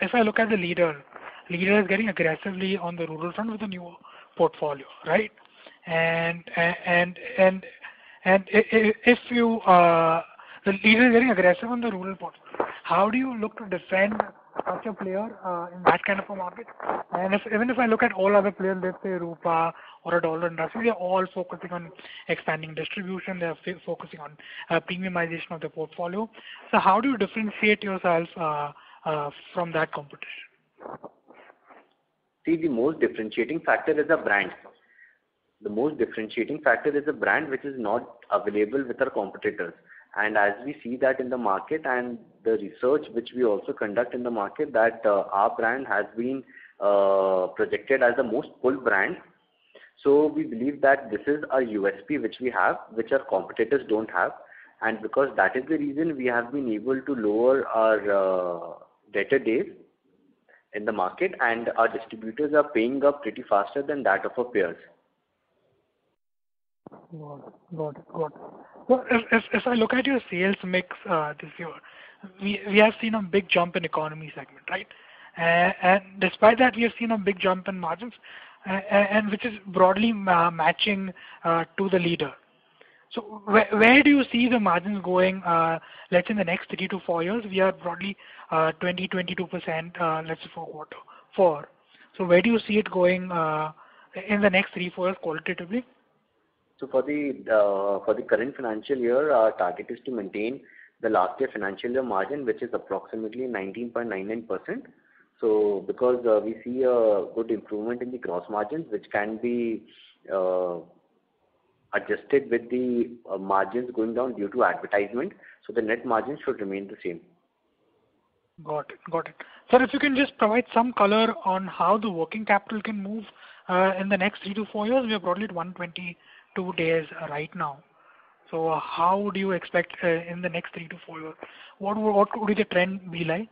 If I look at the leader is very aggressively on the rural front with the new portfolio, right? The leader is very aggressive on the rural front. How do you look to defend as a player in that kind of a market? Even if I look at all other players, let's say Rupa or a Dollar, roughly, they're all focusing on expanding distribution. They're focusing on premiumization of their portfolio. How do you differentiate yourselves from that competition? The most differentiating factor is the brand. The most differentiating factor is the brand, which is not available with our competitors. As we see that in the market and the research which we also conduct in the market, that our brand has been projected as the most pull brand. We believe that this is a USP which we have, which our competitors don't have. Because that is the reason we have been able to lower our debtor days in the market, and our distributors are paying up pretty faster than that of our peers. Got it. If I look at your sales mix this year, we have seen a big jump in economy segment, right? Despite that, we have seen a big jump in margins, and which is broadly matching to the leader. Where do you see the margins going, like in the next three to four years? We are broadly 20%, 22% let's say forward for. Where do you see it going in the next three, four years qualitatively? For the current financial year, our target is to maintain the last year financial year margin, which is approximately 19.99%. Because we see a good improvement in the gross margins, which can be adjusted with the margins going down due to advertisement, so the net margins should remain the same. Got it. Sir, if you can just provide some color on how the working capital can move in the next three to four years. We are broadly 122 days right now. How would you expect in the next three to four years? What would the trend be like?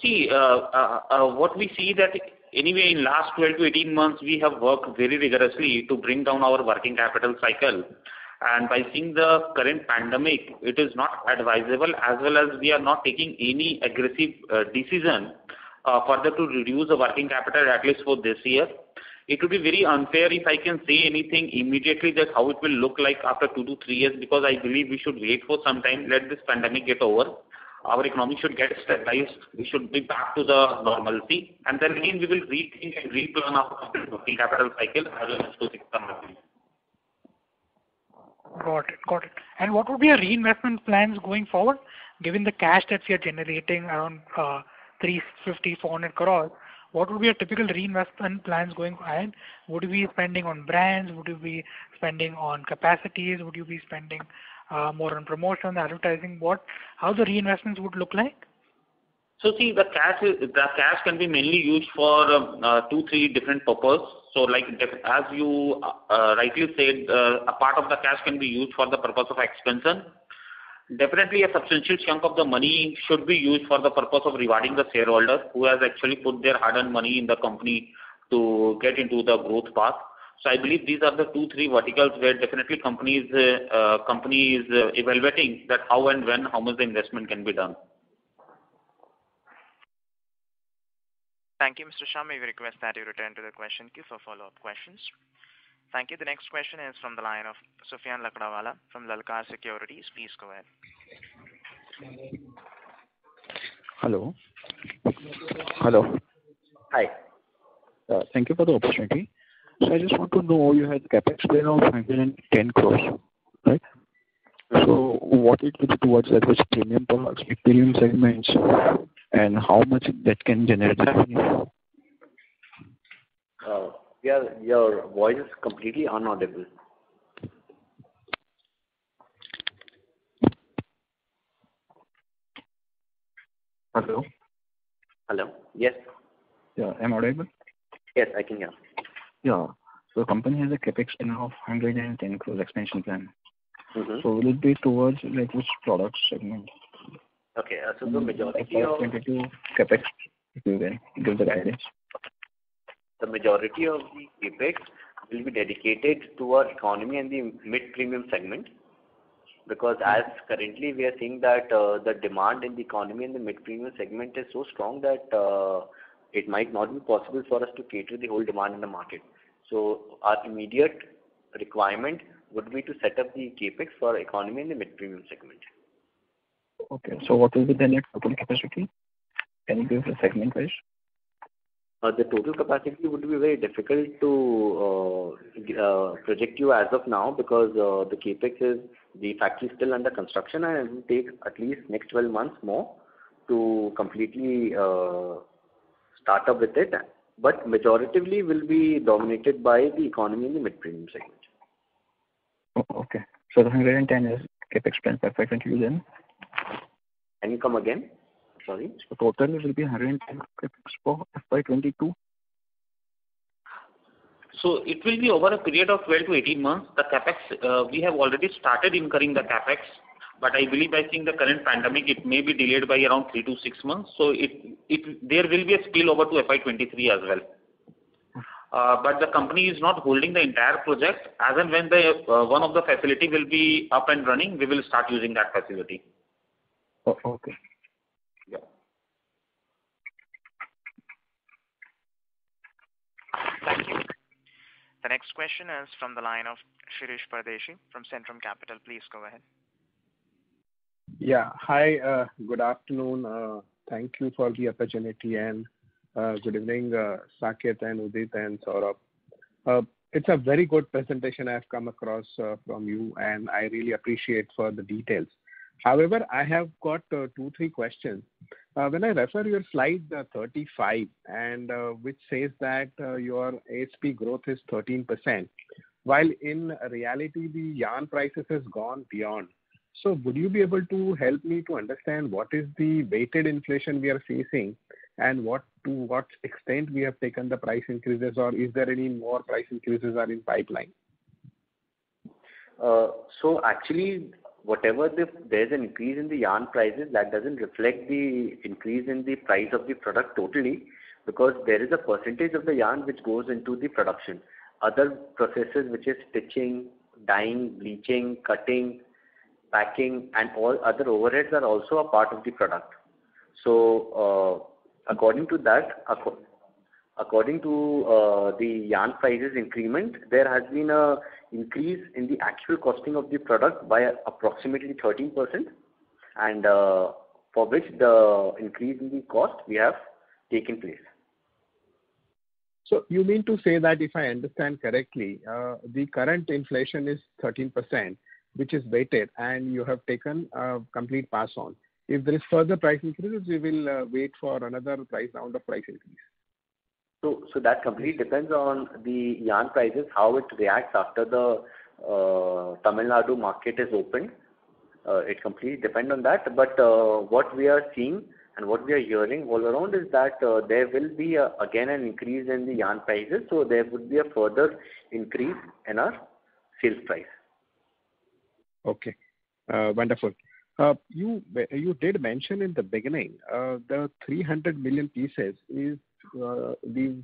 See, what we see that anyway, in last 12-18 months, we have worked very vigorously to bring down our working capital cycle. I think the current pandemic, it is not advisable as well as we are not taking any aggressive decision further to reduce the working capital, at least for this year. It will be very unfair if I can say anything immediately just how it will look like after two to three years, because I believe we should wait for some time, let this pandemic get over. Our economy should get stabilized. We should be back to the normalcy, and then again we will rethink and replan our working capital cycle as well as the company. Got it. What would be your reinvestment plans going forward? Given the cash that you are generating around 350 crore-400 crore, what would be your typical reinvestment plans going forward? Would you be spending on brands? Would you be spending on capacities? Would you be spending more on promotion, advertising? How the reinvestments would look like? See, the cash can be mainly used for two, three different purpose. Like, as you rightly said, a part of the cash can be used for the purpose of expansion. Definitely, a substantial chunk of the money should be used for the purpose of rewarding the shareholder who has actually put their hard-earned money in the company to get into the growth path. I believe these are the two, three verticals where definitely company is evaluating that how and when, how much investment can be done. Thank you, Mr. Shah. We request that you retain to the question queue for follow-up questions. Thank you. The next question is from the line of Sufiyan Lakdawala from Lalkar Securities. Please go ahead. Hello. Hello. Hi. Thank you for the opportunity. I just want to know, you had CapEx spend of 110 crores. What it is towards various premium products, premium segments, and how much that can generate revenue? Your voice is completely inaudible. Hello. Hello. Yes. Yeah. Am I audible? Yes, I can hear. Yeah. Company has a CapEx spend of 110 crore expansion plan. Will it be towards which products again? Okay. Specifically CapEx, if you can give the guidance. The majority of the CapEx will be dedicated to our economy and the mid-premium segment. As currently we are seeing that the demand in the economy and the mid-premium segment is so strong that it might not be possible for us to cater the whole demand in the market. Our immediate requirement would be to set up the CapEx for economy and the mid-premium segment. Okay. What will be the net total capacity? Can you give the segment-wise? The total capacity would be very difficult to predict you as of now because the factory is still under construction and it will take at least next 12 months more to completely start up with it. Majoritively will be dominated by the economy and the mid-premium range. Okay. the INR 110 is CapEx spend for FY 2021? Can you come again? Sorry. The total will be 110 CapEx for FY 2022? It will be over a period of 12-18 months. We have already started incurring the CapEx, but I believe, I think the current pandemic, it may be delayed by around three to six months. There will be a spill over to FY 2023 as well. The company is not holding the entire project. As and when one of the facility will be up and running, we will start using that facility. Okay. Yeah. The next question is from the line of Shirish Pardeshi from Centrum Capital. Please go ahead. Yeah. Hi, good afternoon. Thank you for the opportunity and good evening, Saket and Udit and Saurabh. It's a very good presentation I've come across from you, and I really appreciate for the details. However, I have got two, three questions. When I refer your slide 35, and which says that your ASP growth is 13%, while in reality the yarn prices has gone beyond. Would you be able to help me to understand what is the weighted inflation we are facing and to what extent we have taken the price increases, or is there any more price increases are in pipeline? Actually, whatever there's an increase in the yarn prices, that doesn't reflect the increase in the price of the product totally, because there is a percentage of the yarn which goes into the production. Other processes such as stitching, dyeing, bleaching, cutting, packing, and all other overheads are also a part of the product. According to that, according to the yarn prices increment, there has been an increase in the actual costing of the product by approximately 13%, and for which the increase in the cost we have taken place. You mean to say that if I understand correctly, the current inflation is 13%, which is weighted, and you have taken a complete pass on. If there's further price increases, we will wait for another round of price increase. That completely depends on the yarn prices, how it reacts after the Tamil Nadu market is opened. It completely depends on that. What we are seeing and what we are hearing all around is that there will be again an increase in the yarn prices, so there could be a further increase in our sales price. Okay. Wonderful. You did mention in the beginning, the 300 million pieces is the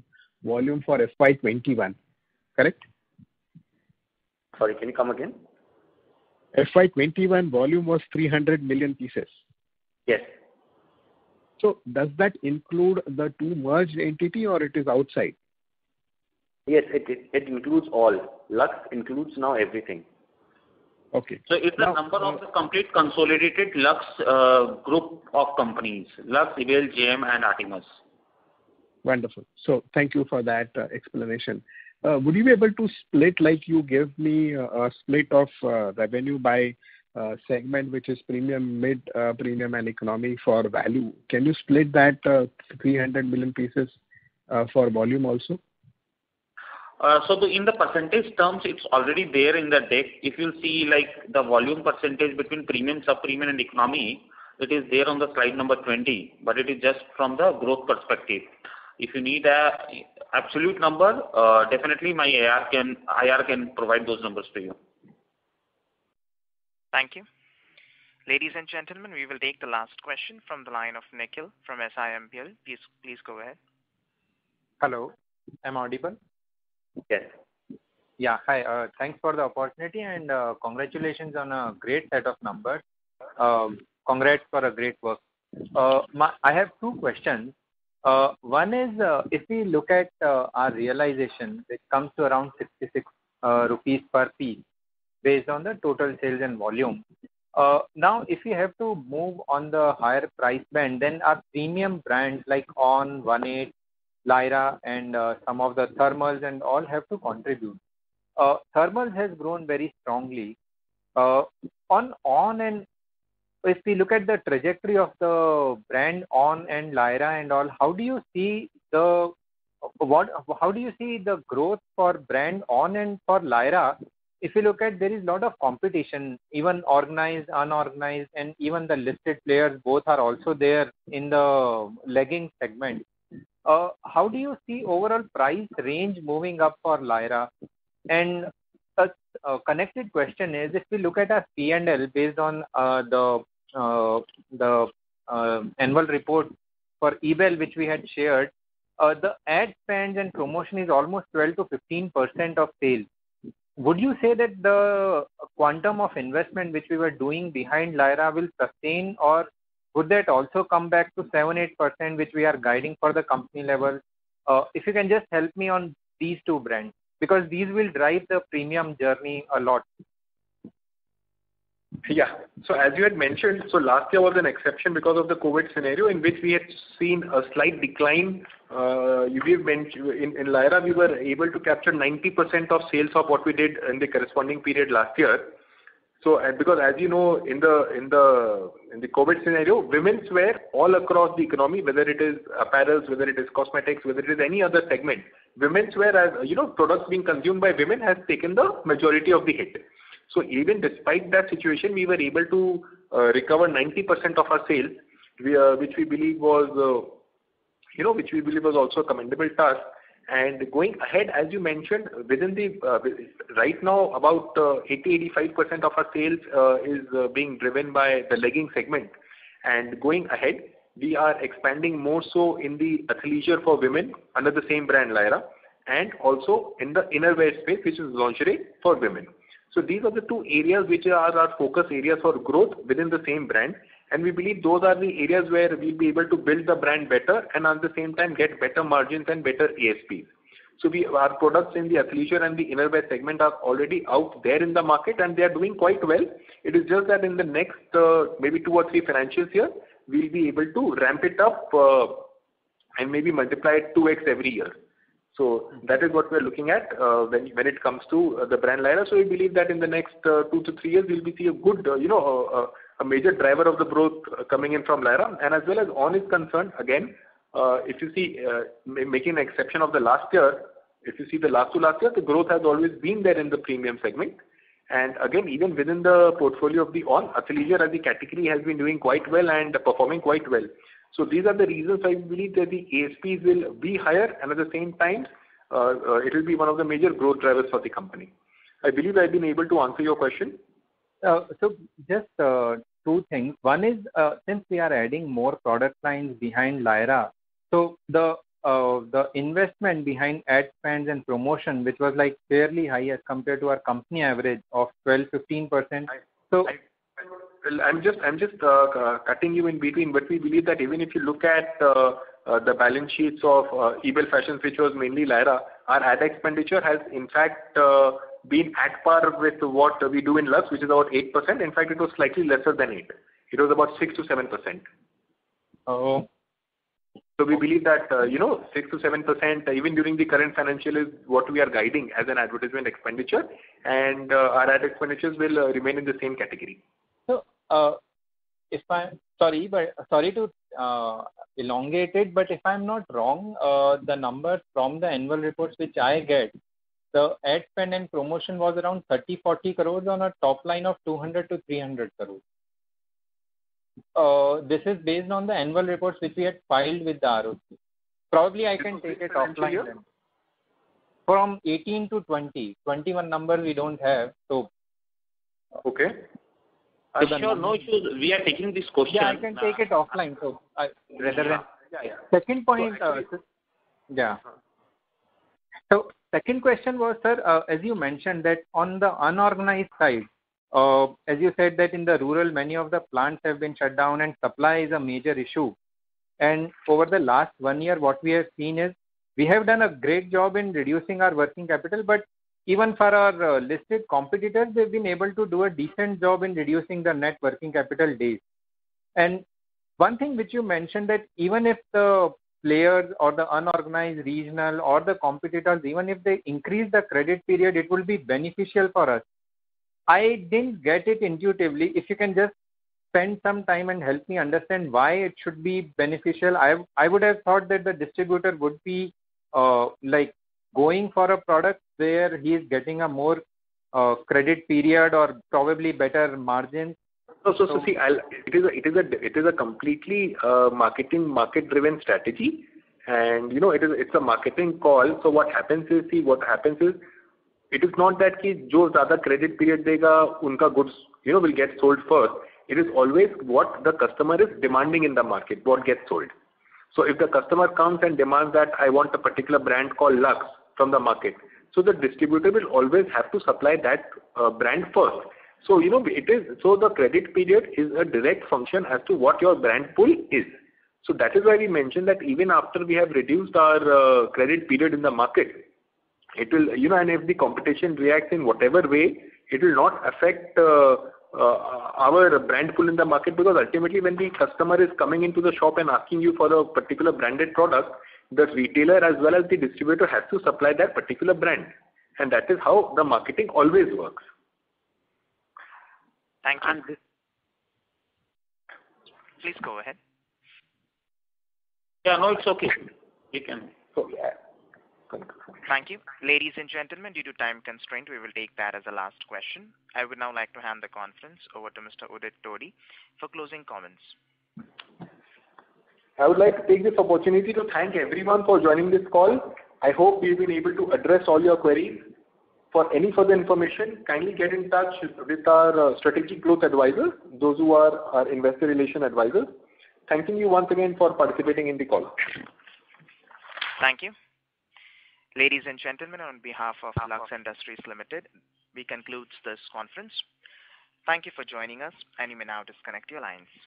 volume for FY 2021, correct? Sorry, can you come again? FY 2021 volume was 300 million pieces. Yes. Does that include the two merged entity or it is outside? Yes, it includes all. Lux includes now everything. Okay. It's the number of the complete consolidated Lux Group of companies, Lux, Ebell, JM, and Artimas. Wonderful. Thank you for that explanation. Would you be able to split, like you gave me a split of revenue by segment, which is premium, mid-premium, and economy for value? Can you split that 300 million pieces for volume also? In the percentage terms, it's already there in the deck. If you see the volume percentage between premium, sub-premium, and economy, it is there on the slide number 20, but it is just from the growth perspective. If you need absolute number, definitely my IR can provide those numbers for you. Thank you. Ladies and gentlemen, we will take the last question from the line of Nikhil from SIMPL. Please go ahead. Hello. Am I audible? Yes. Yeah. Hi. Thanks for the opportunity, and congratulations on a great set of numbers. Congrats for a great work. I have two questions. One is, if we look at our realization, it comes to around 66 rupees per piece based on the total sales and volume. Now, if we have to move on the higher price band, then our premium brands like ONN, One8, Lyra, and some of the thermals and all have to contribute. Thermal has grown very strongly. If we look at the trajectory of the brand ONN and Lyra and all, how do you see the growth for brand ONN and for Lyra? If you look at, there is a lot of competition, even organized, unorganized, and even the listed players both are also there in the legging segment. How do you see overall price range moving up for Lyra? A connected question is, if you look at our P&L based on the annual report for Ebell, which we had shared, the ad spend and promotion is almost 12%-15% of sales. Would you say that the quantum of investment which we were doing behind Lyra will sustain, or would that also come back to 7%-8%, which we are guiding for the company level? If you can just help me on these two brands, because these will drive the premium journey a lot. Yeah. As you had mentioned, last year was an exception because of the COVID scenario in which we had seen a slight decline. In Lyra, we were able to capture 90% of sales of what we did in the corresponding period last year. Because as you know, in the COVID scenario, womenswear all across the economy, whether it is apparels, whether it is cosmetics, whether it is any other segment. Menswear, products being consumed by women, has taken the majority of the hit. Even despite that situation, we were able to recover 90% of our sales, which we believe was also a commendable task. Going ahead, as you mentioned, right now, about 80%, 85% of our sales is being driven by the legging segment. Going ahead, we are expanding more so in the athleisure for women under the same brand, Lyra, and also in the innerwear space, which is lingerie for women. These are the two areas which are our focus areas for growth within the same brand, and we believe those are the areas where we'll be able to build the brand better and at the same time get better margins and better ASPs. Our products in the athleisure and the innerwear segment are already out there in the market, and they're doing quite well. It is just that in the next maybe two or three financial year, we'll be able to ramp it up and maybe multiply it 2X every year. That is what we're looking at when it comes to the brand Lyra. We believe that in the next two to three years, we'll see a major driver of the growth coming in from Lyra. As well as ONN is concerned, again, if you see, making exception of the last year, if you see the last to last year, the growth has always been there in the premium segment. Again, even within the portfolio of the ONN, athleisure as a category has been doing quite well and performing quite well. These are the reasons I believe that the ASPs will be higher, and at the same time, it will be one of the major growth drivers for the company. I believe I've been able to answer your question. Just two things. One is, since we are adding more product lines behind Lyra, so the investment behind ad spend and promotion, which was fairly higher compared to our company average of 12%-15%. I'm just cutting you in between. We believe that even if you look at the balance sheets of Ebell Fashions, which was mainly Lyra, our ad expenditure has in fact been at par with what we do in Lux, which is about 8%. In fact, it was slightly lesser than 8%. It was about 6%-7%. Oh. We believe that 6%-7%, even during the current financial year, what we are guiding as an advertisement expenditure, and our ad expenditures will remain in the same category. Sorry to elongate it, if I'm not wrong, the numbers from the annual report which I get, the ad spend and promotion was around 30 crores-40 crores on a top line of 200 crores-300 crores. This is based on the annual reports which we have filed with the ROC. Probably, I can take it offline. From which year? From 2018 to 2020. 2021 number we don't have. Okay. Are you sure? No, we are taking this question. Yeah, I can take it offline. Yeah. Second point. Second question was, sir, as you mentioned that on the unorganized side, as you said that in the rural, many of the plants have been shut down and supply is a major issue. Over the last one year, what we have seen is we have done a great job in reducing our working capital, but even for our listed competitors, they've been able to do a decent job in reducing their net working capital days. One thing which you mentioned that even if the players or the unorganized regional or the competitors, even if they increase the credit period, it will be beneficial for us. I didn't get it intuitively. If you can just spend some time and help me understand why it should be beneficial. I would have thought that the distributor would be going for a product where he is getting a more credit period or probably better margin. It is a completely market-driven strategy, and it's a marketing call. What happens is, it is not that the one who gives more credit period, their goods will get sold first. It is always what the customer is demanding in the market, what gets sold. If the customer comes and demands that I want a particular brand called Lux from the market, the distributor will always have to supply that brand first. The credit period is a direct function as to what your brand pull is. That is why we mentioned that even after we have reduced our credit period in the market, even if the competition reacts in whatever way, it will not affect our brand pull in the market because ultimately, when the customer is coming into the shop and asking you for a particular branded product, the retailer as well as the distributor has to supply that particular brand. That is how the marketing always works. Thank you. Please go ahead. Yeah, no, it's okay. You can. Thank you. Ladies and gentlemen, due to time constraint, we will take that as the last question. I would now like to hand the conference over to Mr. Udit Todi for closing comments. I would like to take this opportunity to thank everyone for joining this call. I hope we've been able to address all your queries. For any further information, kindly get in touch with our strategic growth advisor, those who are our investor relation advisor. Thank you once again for participating in the call. Thank you. Ladies and gentlemen, on behalf of Lux Industries Limited, we conclude this conference. Thank you for joining us. You may now disconnect your lines.